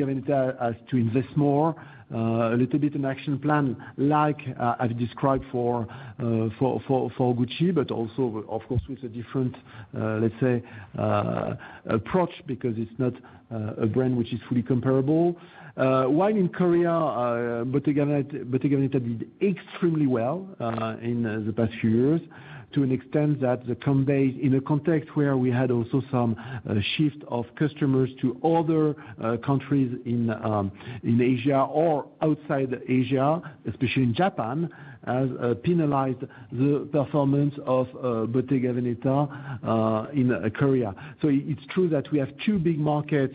Veneta has to invest more, a little bit in action plan, like I've described for Gucci, but also of course, with a different, let's say, approach, because it's not a brand which is fully comparable. While in Korea, Bottega Veneta did extremely well in the past few years to an extent that in a context where we had also some shift of customers to other countries in Asia or outside Asia, especially in Japan, has penalized the performance of Bottega Veneta in Korea. It's true that we have two big markets,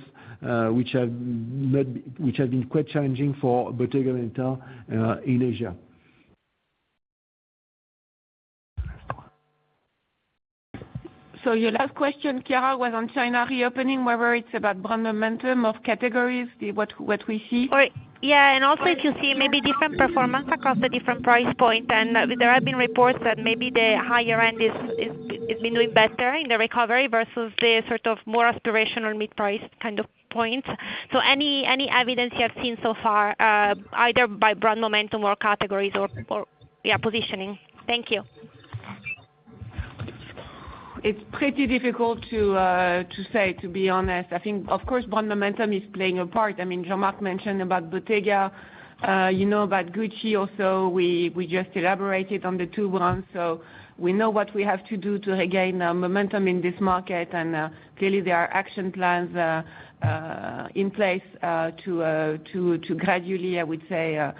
which have been quite challenging for Bottega Veneta, in Asia. Your last question, Chiara, was on China reopening, whether it's about brand momentum of categories, what we see? Yeah, and also if you see maybe different performance across the different price point. There have been reports that maybe the higher end is doing better in the recovery versus the sort of more aspirational mid-price kind of points. Any evidence you have seen so far, either by brand momentum or categories or yeah, positioning? Thank you. It's pretty difficult to say, to be honest. I think, of course, brand momentum is playing a part. I mean, Jean-Marc mentioned about Bottega, you know, about Gucci also, we just elaborated on the two brands. We know what we have to do to regain momentum in this market. Clearly there are action plans in place to gradually, I would say,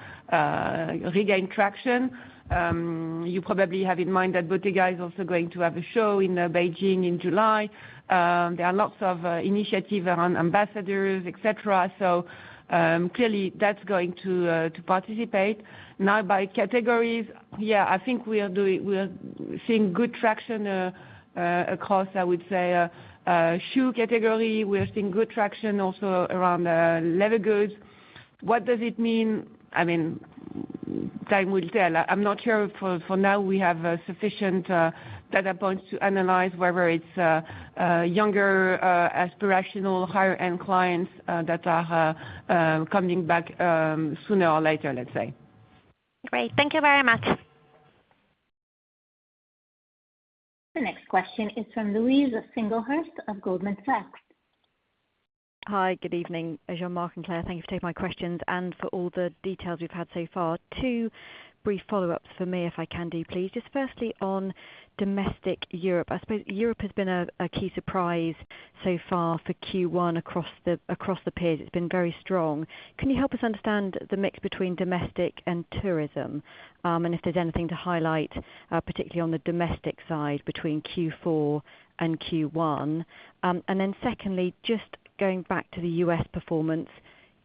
regain traction. You probably have in mind that Bottega is also going to have a show in Beijing in July. There are lots of initiative around ambassadors, et cetera. Clearly that's going to participate. By categories, yeah, I think we are seeing good traction across, I would say, shoe category. We are seeing good traction also around leather goods. What does it mean? I mean, time will tell. I'm not sure for now we have sufficient data points to analyze whether it's younger, aspirational, higher end clients that are coming back sooner or later, let's say. Great. Thank you very much. The next question is from Louise Singlehurst of Goldman Sachs. Hi, good evening, Jean-Marc and Claire. Thank you for taking my questions and for all the details we've had so far. Two brief follow-ups for me, if I can do, please. Firstly, on domestic Europe, I suppose Europe has been a key surprise so far for Q1 across the peers. It's been very strong. Can you help us understand the mix between domestic and tourism? If there's anything to highlight particularly on the domestic side between Q4 and Q1? Secondly, just going back to the U.S. performance,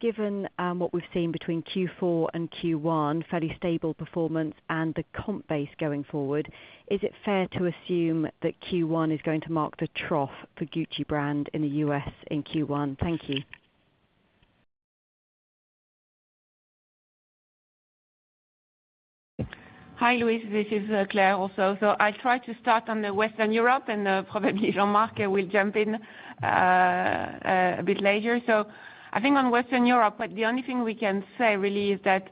given what we've seen between Q4 and Q1, fairly stable performance and the comp base going forward, is it fair to assume that Q1 is going to mark the trough for Gucci brand in the U.S. in Q1? Thank you. Hi, Louise, this is Claire also. I'll try to start on the Western Europe and probably Jean-Marc will jump in a bit later. I think on Western Europe, the only thing we can say really is that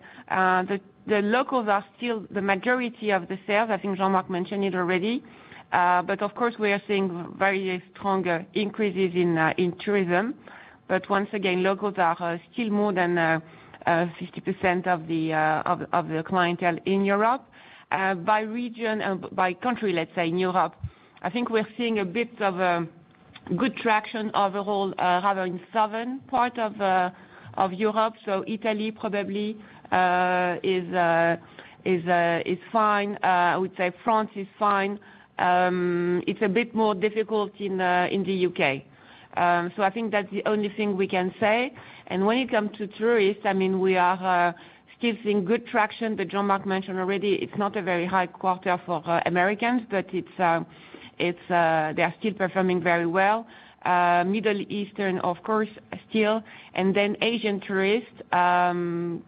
the locals are still the majority of the sales. I think Jean-Marc mentioned it already. Of course, we are seeing very strong increases in tourism. Once again, locals are still more than 50% of the clientele in Europe. By region, by country, let's say, in Europe, I think we're seeing a bit of good traction overall, rather in southern part of Europe. Italy probably is fine. I would say France is fine. It's a bit more difficult in the U.K. I think that's the only thing we can say. When it comes to tourists, I mean, we are still seeing good traction that Jean-Marc mentioned already. It's not a very high quarter for Americans, but it's, they are still performing very well. Middle Eastern, of course, still. Asian tourists,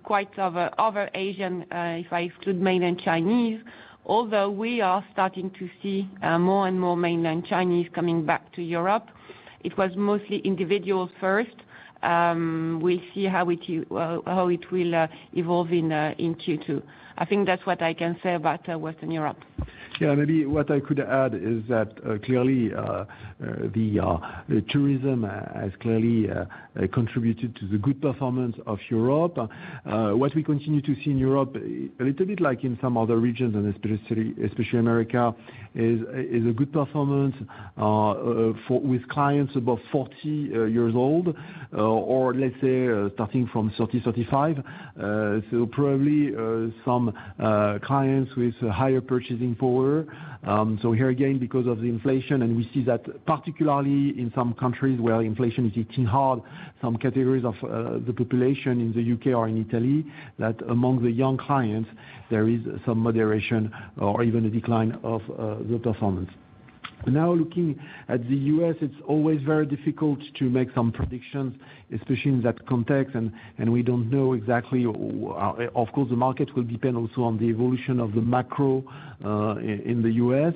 quite other Asian, if I exclude mainland Chinese, although we are starting to see more and more mainland Chinese coming back to Europe, it was mostly individuals first. We'll see how it will evolve in Q2. I think that's what I can say about Western Europe. Maybe what I could add is that clearly the tourism has clearly contributed to the good performance of Europe. What we continue to see in Europe, a little bit like in some other regions and especially America, is a good performance with clients above 40 years old or let's say starting from 30, 35. So probably some clients with higher purchasing power. Here again, because of the inflation, and we see that particularly in some countries where inflation is hitting hard, some categories of the population in the U.K. or in Italy, that among the young clients, there is some moderation or even a decline of the performance. Now, looking at the U.S., it's always very difficult to make some predictions, especially in that context, and we don't know exactly, of course, the market will depend also on the evolution of the macro in the U.S.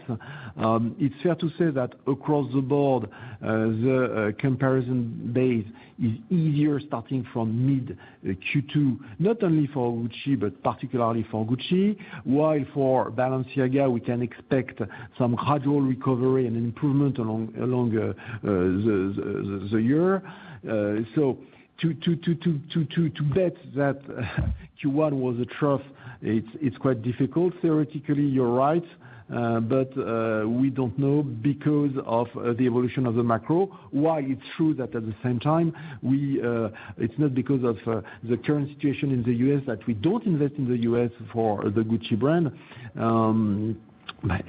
It's fair to say that across the board, the comparison base is easier starting from mid Q2, not only for Gucci, but particularly for Gucci. While for Balenciaga, we can expect some gradual recovery and improvement along the year. To bet that Q1 was a trough, it's quite difficult. Theoretically, you're right, but we don't know because of the evolution of the macro. While it's true that at the same time, it's not because of the current situation in the U.S. that we don't invest in the U.S. for the Gucci brand.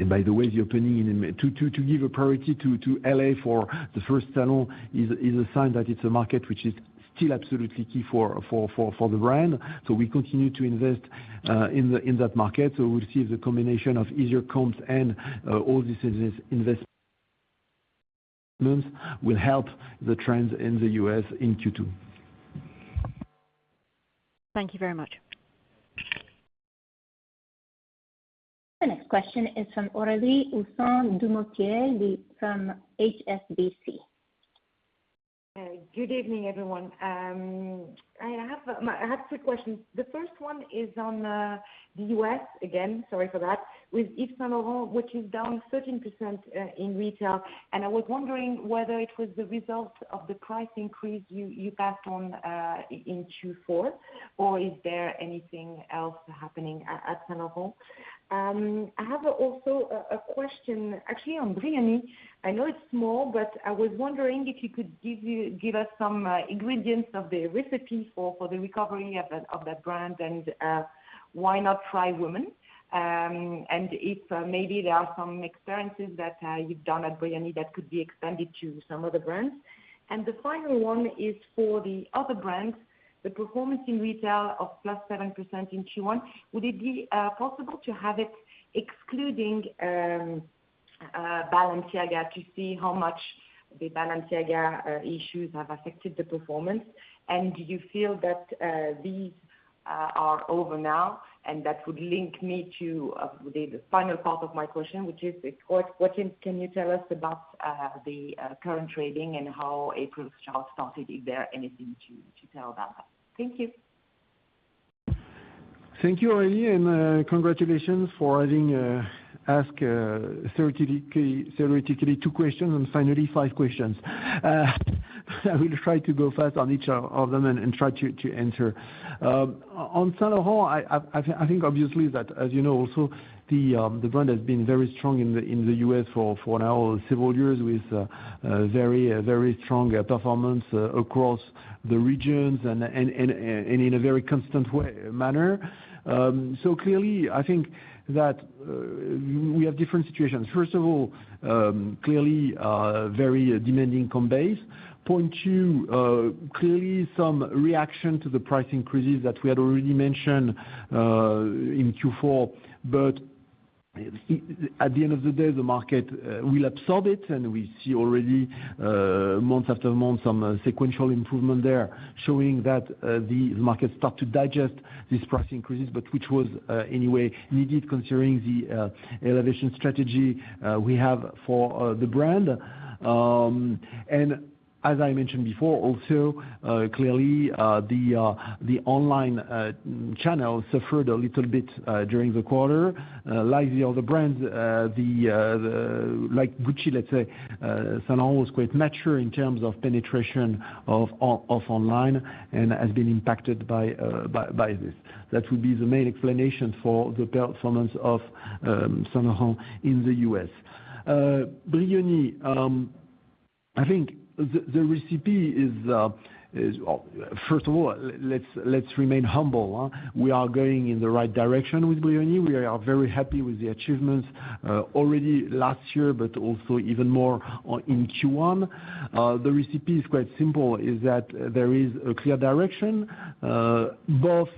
by the way, the opening in to give a priority to L.A. for the first salon is a sign that it's a market which is still absolutely key for the brand. We continue to invest in that market. We'll see if the combination of easier comps and all these invest- Will help the trends in the U.S. in Q2. Thank you very much. The next question is from Aurélie Husson-Dumoutier from HSBC. Good evening, everyone. I have two questions. The first one is on the U.S. again, sorry for that, with Yves Saint Laurent, which is down 13% in retail. I was wondering whether it was the result of the price increase you passed on in Q4, or is there anything else happening at Saint Laurent? I have also a question actually on Brioni. I know it's small, but I was wondering if you could give us some ingredients of the recipe for the recovery of that brand and why not try women. If maybe there are some experiences that you've done at Brioni that could be extended to some other brands. The final one is for the other brands, the performance in retail of +7% in Q1, would it be possible to have it excluding Balenciaga to see how much the Balenciaga issues have affected the performance? Do you feel that these are over now? That would link me to the final part of my question, which is, what can you tell us about the current trading and how April started, if there anything to tell about that? Thank you. Thank you, Aurélie, congratulations for having ask theoretically two questions, and finally, five questions. I will try to go fast on each of them and try to answer. On Saint Laurent, I think obviously that, as you know, also the brand has been very strong in the U.S. for now several years with very strong performance across the regions and in a very constant way, manner. Clearly, I think that we have different situations. First of all, clearly, very demanding compare. Point 2, clearly some reaction to the price increases that we had already mentioned in Q4. At the end of the day, the market will absorb it, and we see already month after month, some sequential improvement there, showing that the market start to digest these price increases, but which was anyway needed considering the elevation strategy we have for the brand. As I mentioned before, also, clearly, the online channel suffered a little bit during the quarter, like the other brands. Like Gucci, let's say, Saint Laurent was quite mature in terms of penetration of online and has been impacted by this. That would be the main explanation for the performance of Saint Laurent in the U.S.. Brioni, I think the recipe is, first of all, let's remain humble. We are going in the right direction with Brioni. We are very happy with the achievements already last year, also even more on, in Q1. The recipe is quite simple, is that there is a clear direction both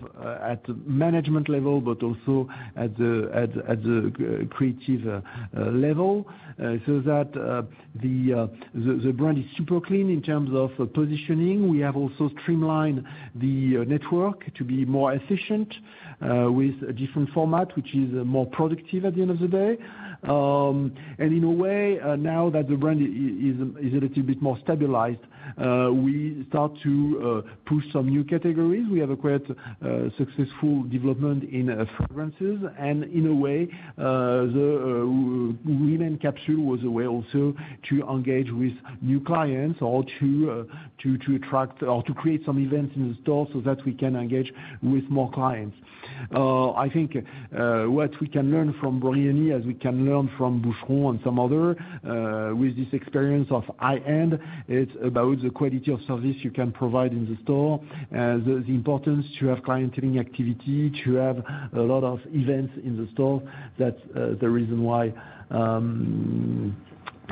at management level, but also at the creative level. That the brand is super clean in terms of positioning. We have also streamlined the network to be more efficient with a different format, which is more productive at the end of the day. In a way, now that the brand is a little bit more stabilized, we start to push some new categories. We have a quite successful development in fragrances. In a way, the women capsule was a way also to engage with new clients or to attract or to create some events in the store so that we can engage with more clients. I think what we can learn from Brioni, as we can learn from Boucheron and some other, with this experience of high-end, it's about the quality of service you can provide in the store. The importance to have clienteling activity, to have a lot of events in the store. That's the reason why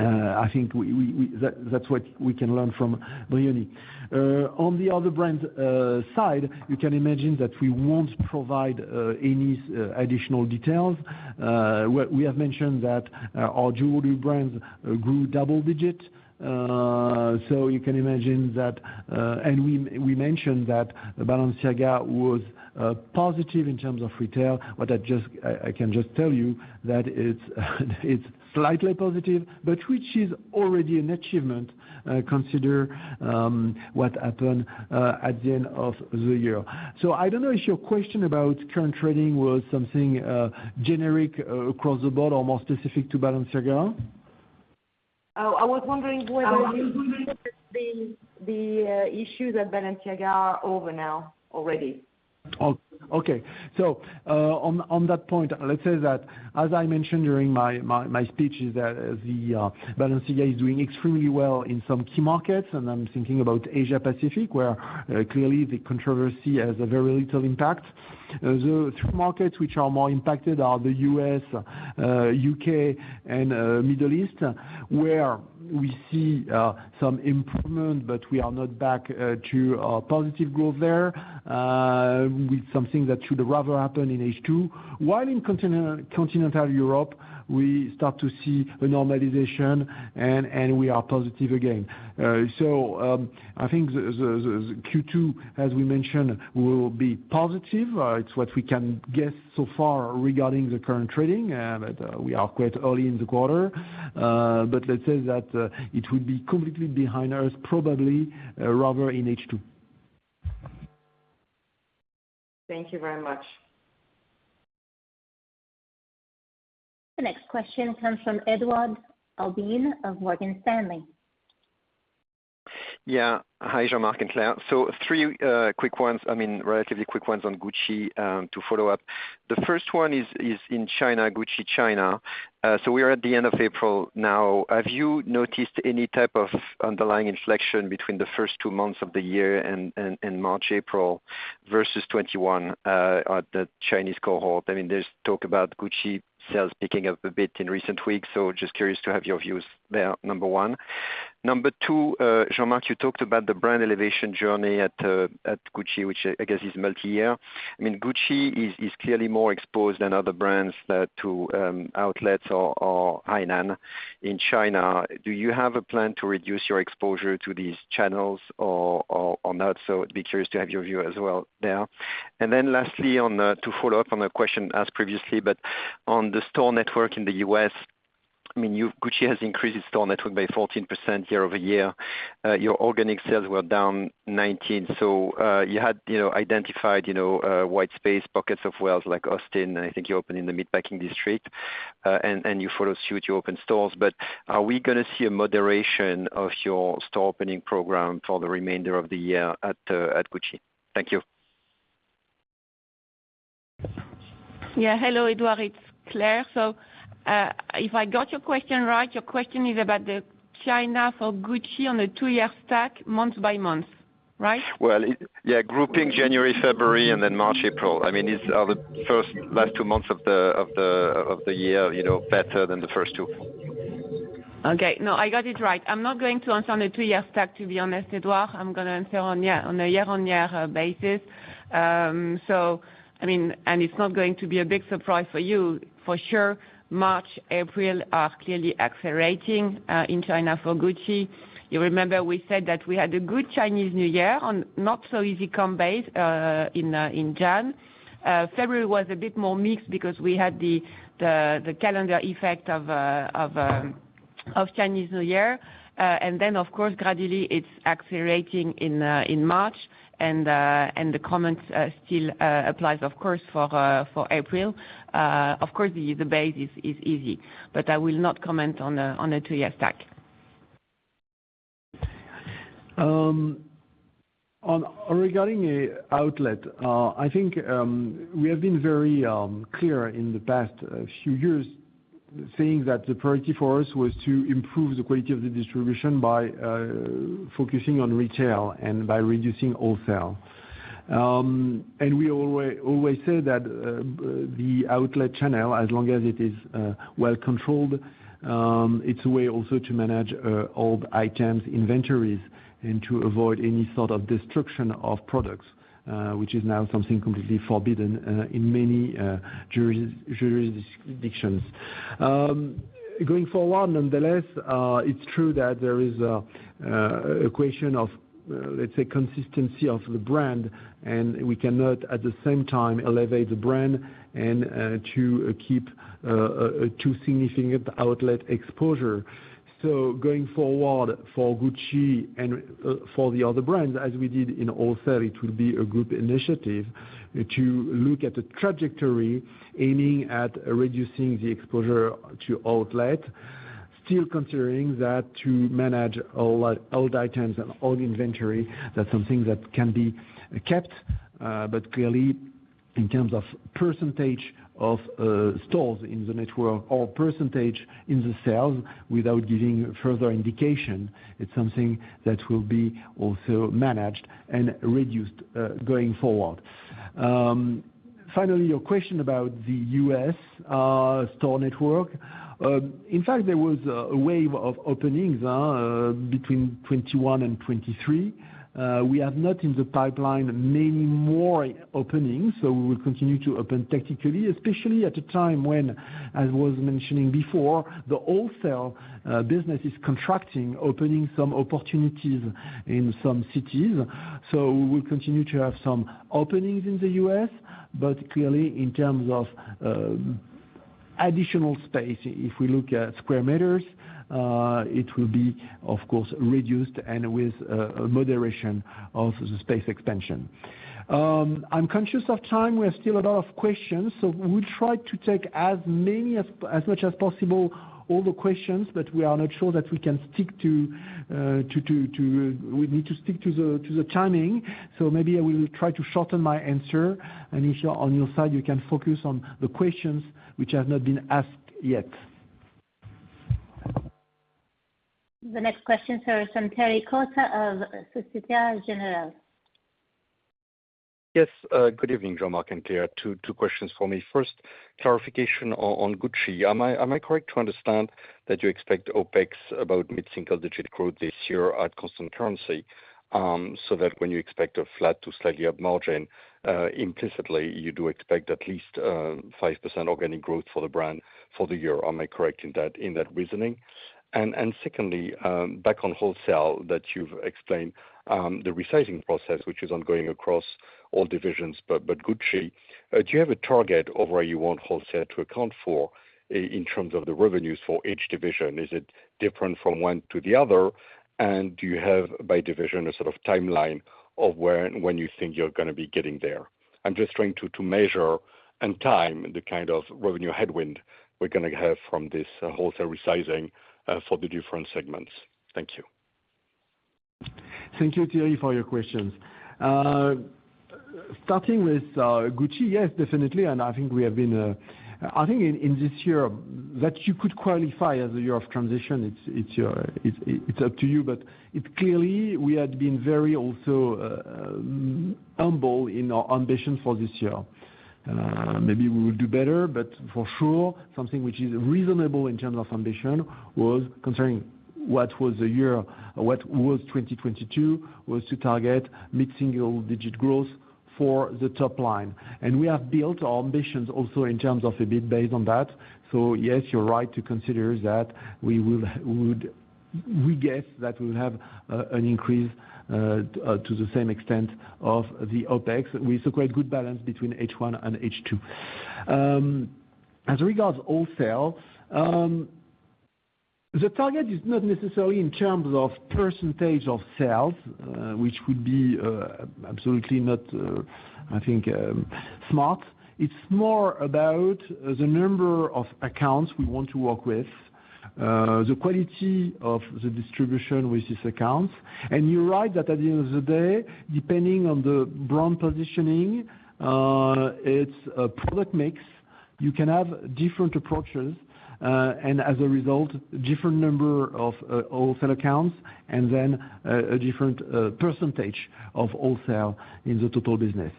I think we That's what we can learn from Brioni. On the other brands side, you can imagine that we won't provide any additional details. What we have mentioned that our jewelry brands grew double digit. You can imagine that, and we mentioned that Balenciaga was positive in terms of retail. I can just tell you that it's slightly positive, but which is already an achievement, consider what happened at the end of the year. I don't know if your question about current trading was something generic across the board or more specific to Balenciaga. I was wondering whether you consider the issues at Balenciaga are over now already? Okay. On that point, let's say that, as I mentioned during my speech is that the Balenciaga is doing extremely well in some key markets, and I'm thinking about Asia Pacific, where clearly the controversy has a very little impact. The two markets which are more impacted are the U.S., U.K. and Middle East, where we see some improvement, but we are not back to a positive growth there, with something that should rather happen in H2. While in continental Europe, we start to see a normalization, and we are positive again. I think the Q2, as we mentioned, will be positive. It's what we can guess so far regarding the current trading, but we are quite early in the quarter. Let's say that it would be completely behind us, probably, rather in H2. Thank you very much. The next question comes from Edouard Aubin of Morgan Stanley. Yeah. Hi, Jean-Marc and Claire. Three quick ones. I mean, relatively quick ones on Gucci to follow up. The first one is in China, Gucci China. We are at the end of April now. Have you noticed any type of underlying inflection between the first two months of the year and March, April versus 2021 at the Chinese cohort? I mean, there's talk about Gucci sales picking up a bit in recent weeks, just curious to have your views there, number one. Number two, Jean-Marc, you talked about the brand elevation journey at Gucci, which I guess is multi-year. I mean, Gucci is clearly more exposed than other brands that to outlets or Hainan in China. Do you have a plan to reduce your exposure to these channels or not? Be curious to have your view as well there. Lastly, on, to follow up on a question asked previously, but on the store network in the U.S., I mean, Gucci has increased its store network by 14% year-over-year. Your organic sales were down 19%. You had, you know, identified, you know, white space pockets of wealth like Austin, and I think you opened in the Meatpacking District, and you follow suit, you open stores. Are we gonna see a moderation of your store opening program for the remainder of the year at Gucci? Thank you. Yeah. Hello, Edouard. It's Claire. If I got your question right, your question is about the China for Gucci on a two-year stack month by month, right? Well, yeah, grouping January, February and then March, April. I mean, are the first, last two months of the year, you know, better than the first two? Okay. No, I got it right. I'm not going to answer on a two-year stack, to be honest, Edouard. I'm gonna answer on a year-on-year basis. I mean, it's not going to be a big surprise for you. For sure, March, April are clearly accelerating in China for Gucci. You remember we said that we had a good Chinese New Year on not so easy come base in January. February was a bit more mixed because we had the calendar effect of Chinese New Year. Then of course, gradually it's accelerating in March. The comments still applies of course for April. Of course the base is easy, but I will not comment on a two-year stack. Regarding a outlet, I think we have been very clear in the past few years saying that the priority for us was to improve the quality of the distribution by focusing on retail and by reducing wholesale. We always say that the outlet channel, as long as it is well controlled, it's a way also to manage old items inventories and to avoid any sort of destruction of products, which is now something completely forbidden in many jurisdictions. Going forward, nonetheless, it's true that there is a question of, let's say, consistency of the brand, we cannot at the same time elevate the brand and to keep too significant outlet exposure. Going forward for Gucci and for the other brands, as we did in wholesale, it will be a group initiative to look at the trajectory aiming at reducing the exposure to outlet. Still considering that to manage all old items and old inventory, that's something that can be kept, but clearly in terms of percentage of stores in the network or percentage in the sales without giving further indication, it's something that will be also managed and reduced going forward. Finally, your question about the U.S. store network. In fact, there was a wave of openings between 2021 and 2023. We have not in the pipeline many more openings, so we will continue to open tactically, especially at a time when, as I was mentioning before, the wholesale business is contracting, opening some opportunities in some cities. We will continue to have some openings in the U.S., but clearly in terms of additional space, if we look at square meters, it will be of course reduced and with a moderation of the space expansion. I'm conscious of time. We have still a lot of questions. We try to take as much as possible all the questions, but we are not sure that we need to stick to the timing. Maybe I will try to shorten my answer. If you are on your side, you can focus on the questions which have not been asked yet. The next question, sir, is from Thierry Cota of Société Générale. Yes. Good evening, Jean-Marc and Claire. Two questions for me. First, clarification on Gucci. Am I correct to understand that you expect OpEx about mid-single digit growth this year at constant currency? When you expect a flat to slightly up margin, implicitly you do expect at least 5% organic growth for the brand for the year. Am I correct in that reasoning? Secondly, back on wholesale that you've explained, the resizing process which is ongoing across all divisions, but Gucci, do you have a target of where you want wholesale to account for in terms of the revenues for each division? Is it different from one to the other? Do you have by division a sort of timeline of where and when you think you're gonna be getting there? I'm just trying to measure and time the kind of revenue headwind we're gonna have from this wholesale resizing for the different segments. Thank you. Thank you, Thierry, for your questions. Starting with Gucci. Yes, definitely, I think we have been in this year that you could qualify as a year of transition, it's up to you, but it clearly we had been very also humble in our ambition for this year. Maybe we will do better, but for sure, something which is reasonable in terms of ambition was concerning what was the year, what was 2022 was to target mid-single digit growth for the top line. We have built our ambitions also in terms of a bit based on that. Yes, you're right to consider that we would guess that we'll have an increase to the same extent of the OpEx. We see quite good balance between H1 and H2. As regards wholesale, the target is not necessarily in terms of percentage of sales, which would be absolutely not, I think, smart. It's more about the number of accounts we want to work with, the quality of the distribution with this account. You're right that at the end of the day, depending on the brand positioning, its product mix, you can have different approaches, and as a result, different number of wholesale accounts and then a different percentage of wholesale in the total business.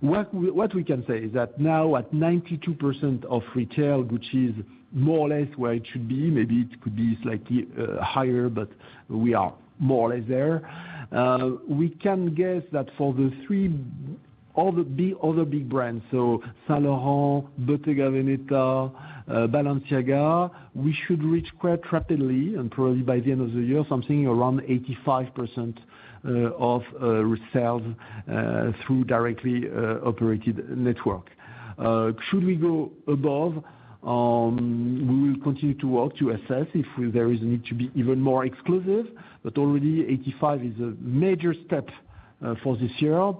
What we can say is that now at 92% of retail, which is more or less where it should be, maybe it could be slightly higher, but we are more or less there. We can guess that for the three All the big brands, Saint Laurent, Bottega Veneta, Balenciaga, we should reach quite rapidly, and probably by the end of the year, something around 85% of resales through directly operated network. Should we go above, we will continue to work to assess if there is a need to be even more exclusive. Already 85 is a major step for this year.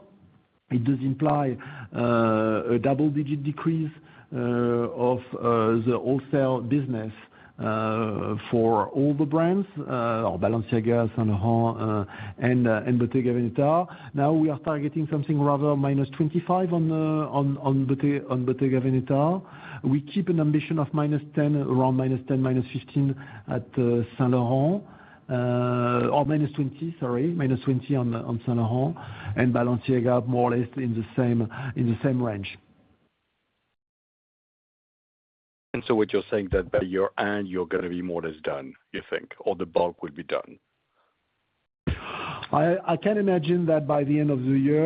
It does imply a double-digit decrease of the wholesale business for all the brands, Balenciaga, Saint Laurent, and Bottega Veneta. We are targeting something rather -25% on Bottega Veneta. We keep an ambition of -10%, around -10%, -15% at Saint Laurent, or -20%, sorry, -20% on Saint Laurent and Balenciaga more or less in the same, in the same range. What you're saying that by year-end you're gonna be more or less done, you think? The bulk will be done. I can imagine that by the end of the year,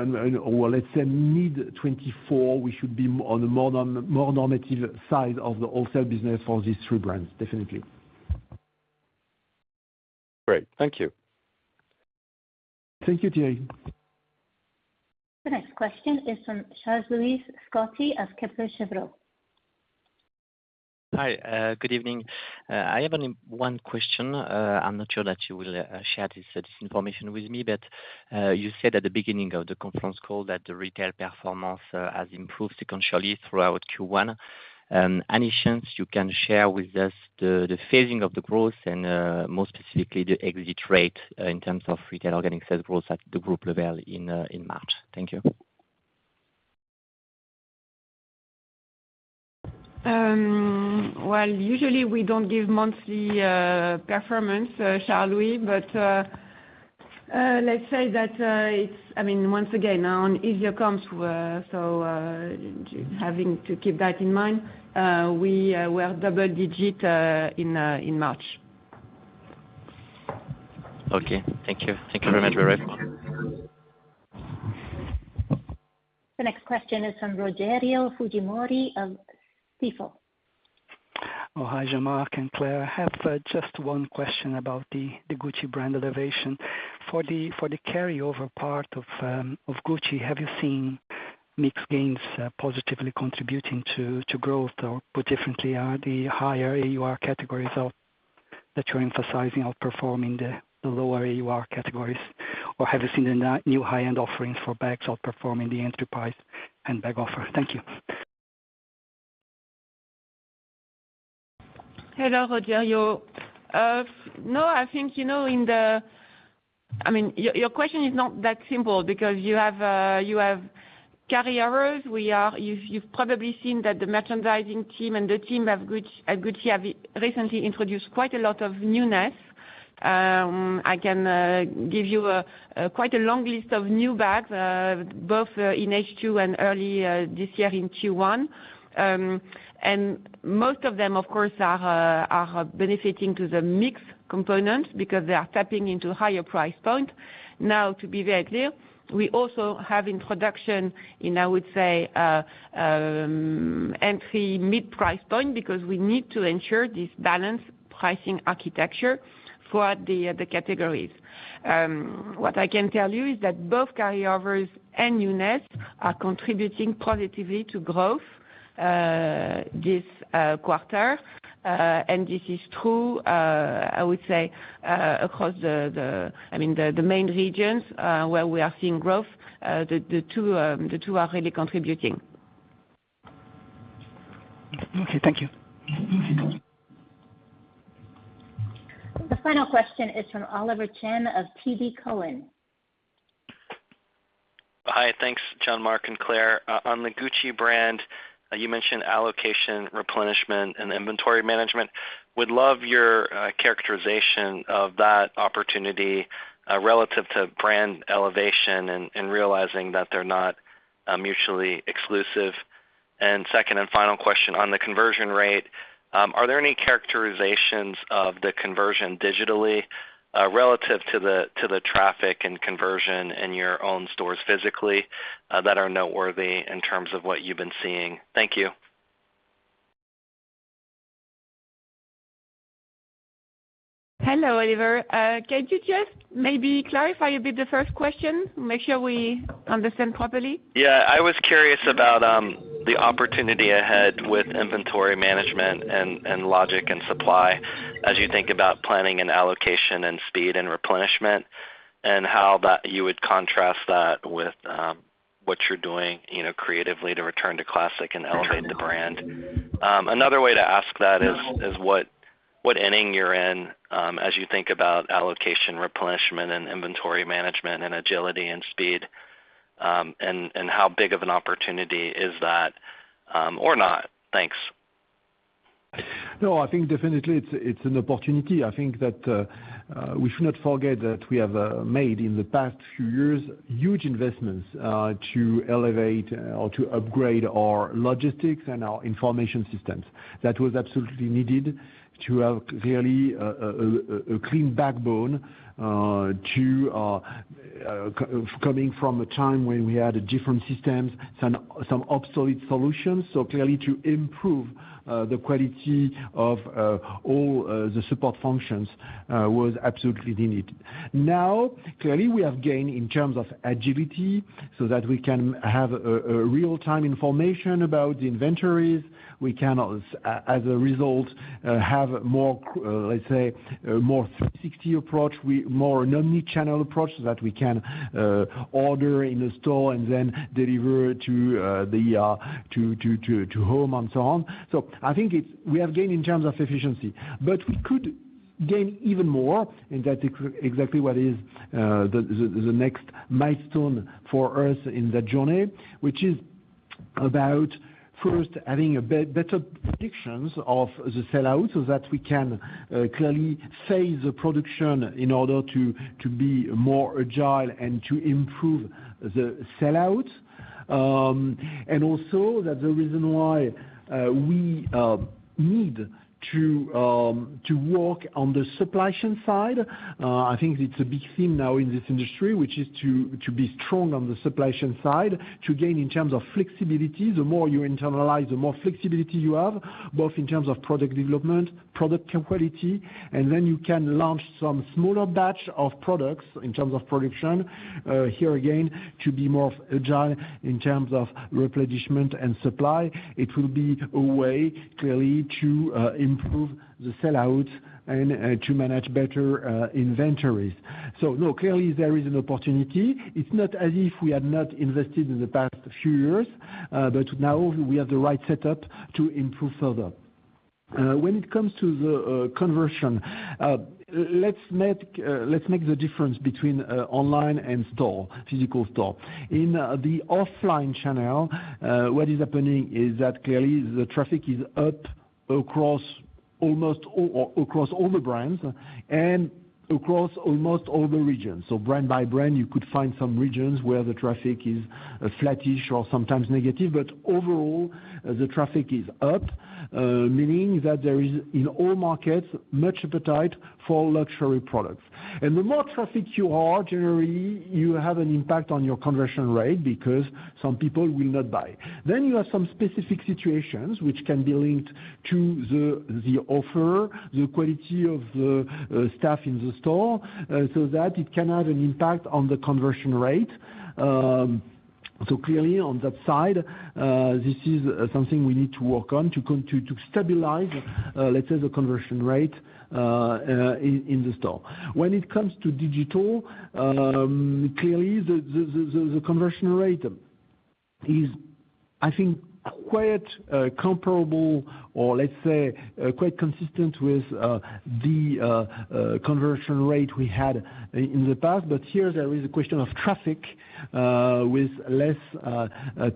and, or let's say mid 2024, we should be on the more normative side of the wholesale business for these three brands. Definitely. Great. Thank you. Thank you, Thierry. The next question is from Charles-Louis SCOTTI of Kepler Cheuvreux. Hi. Good evening. I have one question. I'm not sure that you will share this information with me, but you said at the beginning of the conference call that the retail performance has improved sequentially throughout Q1. Any chance you can share with us the phasing of the growth and more specifically, the exit rate in terms of retail organic sales growth at the group level in March? Thank you. Well, usually we don't give monthly performance, Charles Louis. Let's say that it's, I mean once again on easier comps, so having to keep that in mind, we were double digit in March. Okay. Thank you. Thank you very much. Bye-bye. The next question is from Rogerio Fujimori of Stifel. Hi, Jean-Marc and Claire. I have just one question about the Gucci brand elevation. For the carryover part of Gucci, have you seen mixed gains, positively contributing to growth? Or put differently, are the higher AUR categories that you're emphasizing outperforming the lower AUR categories? Or have you seen the new high-end offerings for bags outperforming the enterprise and bag offer? Thank you. Hello, Rogerio. No, I think, you know, in the your question is not that simple because you have carryovers. You've probably seen that the merchandising team and the team of Gucci, at Gucci have recently introduced quite a lot of newness. I can give you quite a long list of new bags, both in H2 and early this year in Q1. Most of them of course are benefiting to the mix component because they are tapping into higher price point. Now, to be very clear, we also have introduction in, I would say, entry mid-price point, because we need to ensure this balanced pricing architecture for the categories. What I can tell you is that both carryovers and newness are contributing positively to growth, this quarter. This is true, I would say, across the, I mean, the main regions, where we are seeing growth, the two are really contributing. Okay, thank you. The final question is from Oliver Chen of TD Cowen. Hi. Thanks, Jean-Marc and Claire. On the Gucci brand, you mentioned allocation, replenishment, and inventory management. Would love your characterization of that opportunity relative to brand elevation and realizing that they're not mutually exclusive. Second and final question on the conversion rate, are there any characterizations of the conversion digitally relative to the traffic and conversion in your own stores physically that are noteworthy in terms of what you've been seeing? Thank you. Hello, Oliver. Could you just maybe clarify a bit the first question, make sure we understand properly? I was curious about the opportunity ahead with inventory management and logic and supply as you think about planning and allocation and speed and replenishment, and how you would contrast that with what you're doing, you know, creatively to return to classic and elevate the brand. Another way to ask that is what inning you're in as you think about allocation, replenishment, and inventory management and agility and speed, and how big of an opportunity is that, or not? Thanks. No, I think definitely it's an opportunity. I think that we should not forget that we have made in the past few years, huge investments to elevate or to upgrade our logistics and our information systems. That was absolutely needed to have clearly a clean backbone to coming from a time when we had different systems, some obsolete solutions. Clearly to improve the quality of all the support functions was absolutely needed. Now, clearly, we have gained in terms of agility so that we can have a real-time information about the inventories. We can as a result, have more, let's say, more 360 approach. We More an omnichannel approach so that we can order in a store and then deliver to home and so on. I think we have gained in terms of efficiency. We could gain even more, and that's exactly what is the next milestone for us in the journey, which is about first having better predictions of the sell-out, so that we can clearly phase the production in order to be more agile and to improve the sell-out. The reason why we need to work on the supply chain side, I think it's a big theme now in this industry, which is to be strong on the supply chain side, to gain in terms of flexibility. The more you internalize, the more flexibility you have, both in terms of product development, product quality, and then you can launch some smaller batch of products in terms of production, here again, to be more agile in terms of replenishment and supply. It will be a way, clearly, to improve the sell-out and to manage better inventories. No, clearly there is an opportunity. It's not as if we had not invested in the past few years, but now we have the right setup to improve further. When it comes to the conversion, let's make the difference between online and store, physical store. In the offline channel, what is happening is that clearly the traffic is up across almost all the brands and across almost all the regions. Brand by brand, you could find some regions where the traffic is flattish or sometimes negative. Overall, the traffic is up, meaning that there is in all markets much appetite for luxury products. The more traffic you are, generally, you have an impact on your conversion rate because some people will not buy. You have some specific situations which can be linked to the offer, the quality of the staff in the store, so that it can have an impact on the conversion rate. Clearly on that side, this is something we need to work on to stabilize, let's say, the conversion rate in the store. When it comes to digital, clearly the conversion rate is, I think, quite comparable or let's say, quite consistent with the conversion rate we had in the past. Here there is a question of traffic, with less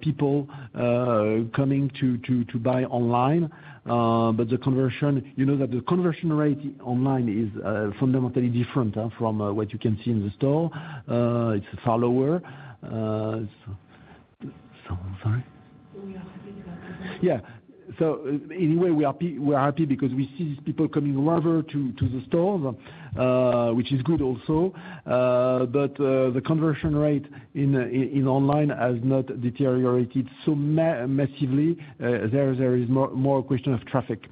people coming to buy online. The conversion, you know that the conversion rate online is fundamentally different from what you can see in the store. It's lower. Sorry. We are happy about it. Yeah. We are happy because we see people coming rather to the stores, which is good also. The conversion rate in online has not deteriorated so massively. There is more a question of traffic.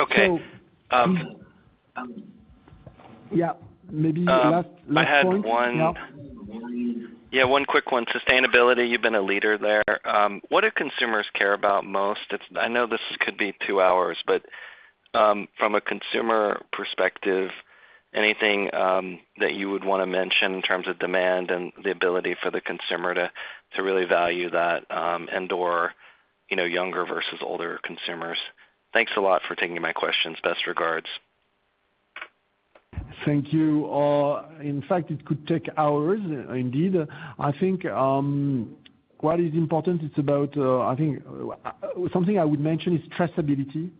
Okay. Yeah, maybe last point. I had one- One. Yeah, one quick one. Sustainability, you've been a leader there. What do consumers care about most? I know this could be two hours, but, from a consumer perspective, anything that you would wanna mention in terms of demand and the ability for the consumer to really value that, and/or, you know, younger versus older consumers? Thanks a lot for taking my questions. Best regards. Thank you. In fact, it could take hours, indeed. I think, what is important, it's about, I think. Something I would mention is traceability.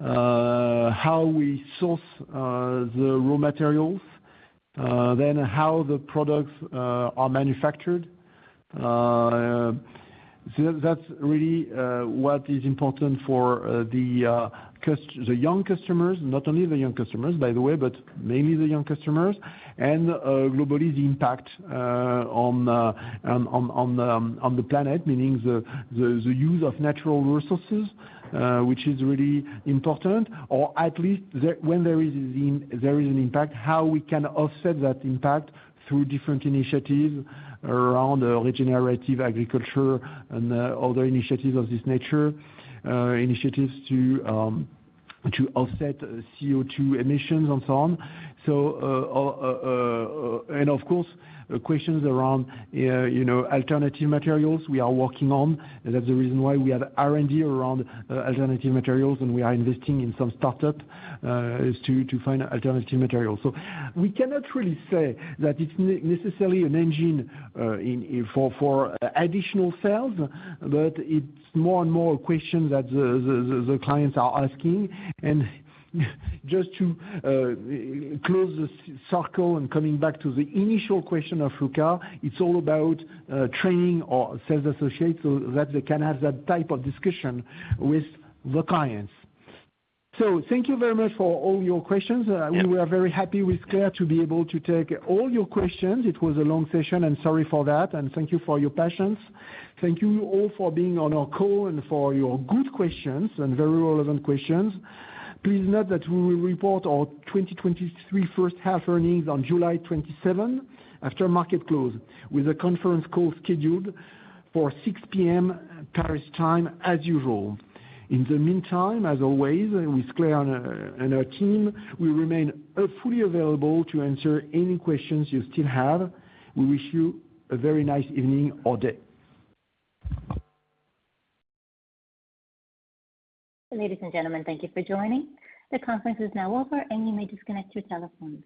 How we source, the raw materials, then how the products, are manufactured. That's really, what is important for, the young customers. Not only the young customers, by the way, but mainly the young customers. Globally, the impact on the planet, meaning the use of natural resources, which is really important. At least when there is an impact, how we can offset that impact through different initiatives around regenerative agriculture and other initiatives of this nature, initiatives to offset CO2 emissions and so on. Of course, questions around, you know, alternative materials we are working on. That's the reason why we have R&D around alternative materials, and we are investing in some startup, is to find alternative materials. We cannot really say that it's necessarily an engine for additional sales, but it's more and more a question that the clients are asking. Just to close this circle and coming back to the initial question of Luca, it's all about training our sales associates so that they can have that type of discussion with the clients. Thank you very much for all your questions. We were very happy with Claire to be able to take all your questions. It was a long session, and sorry for that, and thank you for your patience. Thank you all for being on our call and for your good questions and very relevant questions. Please note that we will report our 2023 first half earnings on July 27 after market close, with a conference call scheduled for 6:00 P.M. Paris time as usual. In the meantime, as always, with Claire and our team, we remain fully available to answer any questions you still have. We wish you a very nice evening or day. Ladies and gentlemen, thank you for joining. The conference is now over, and you may disconnect your telephones.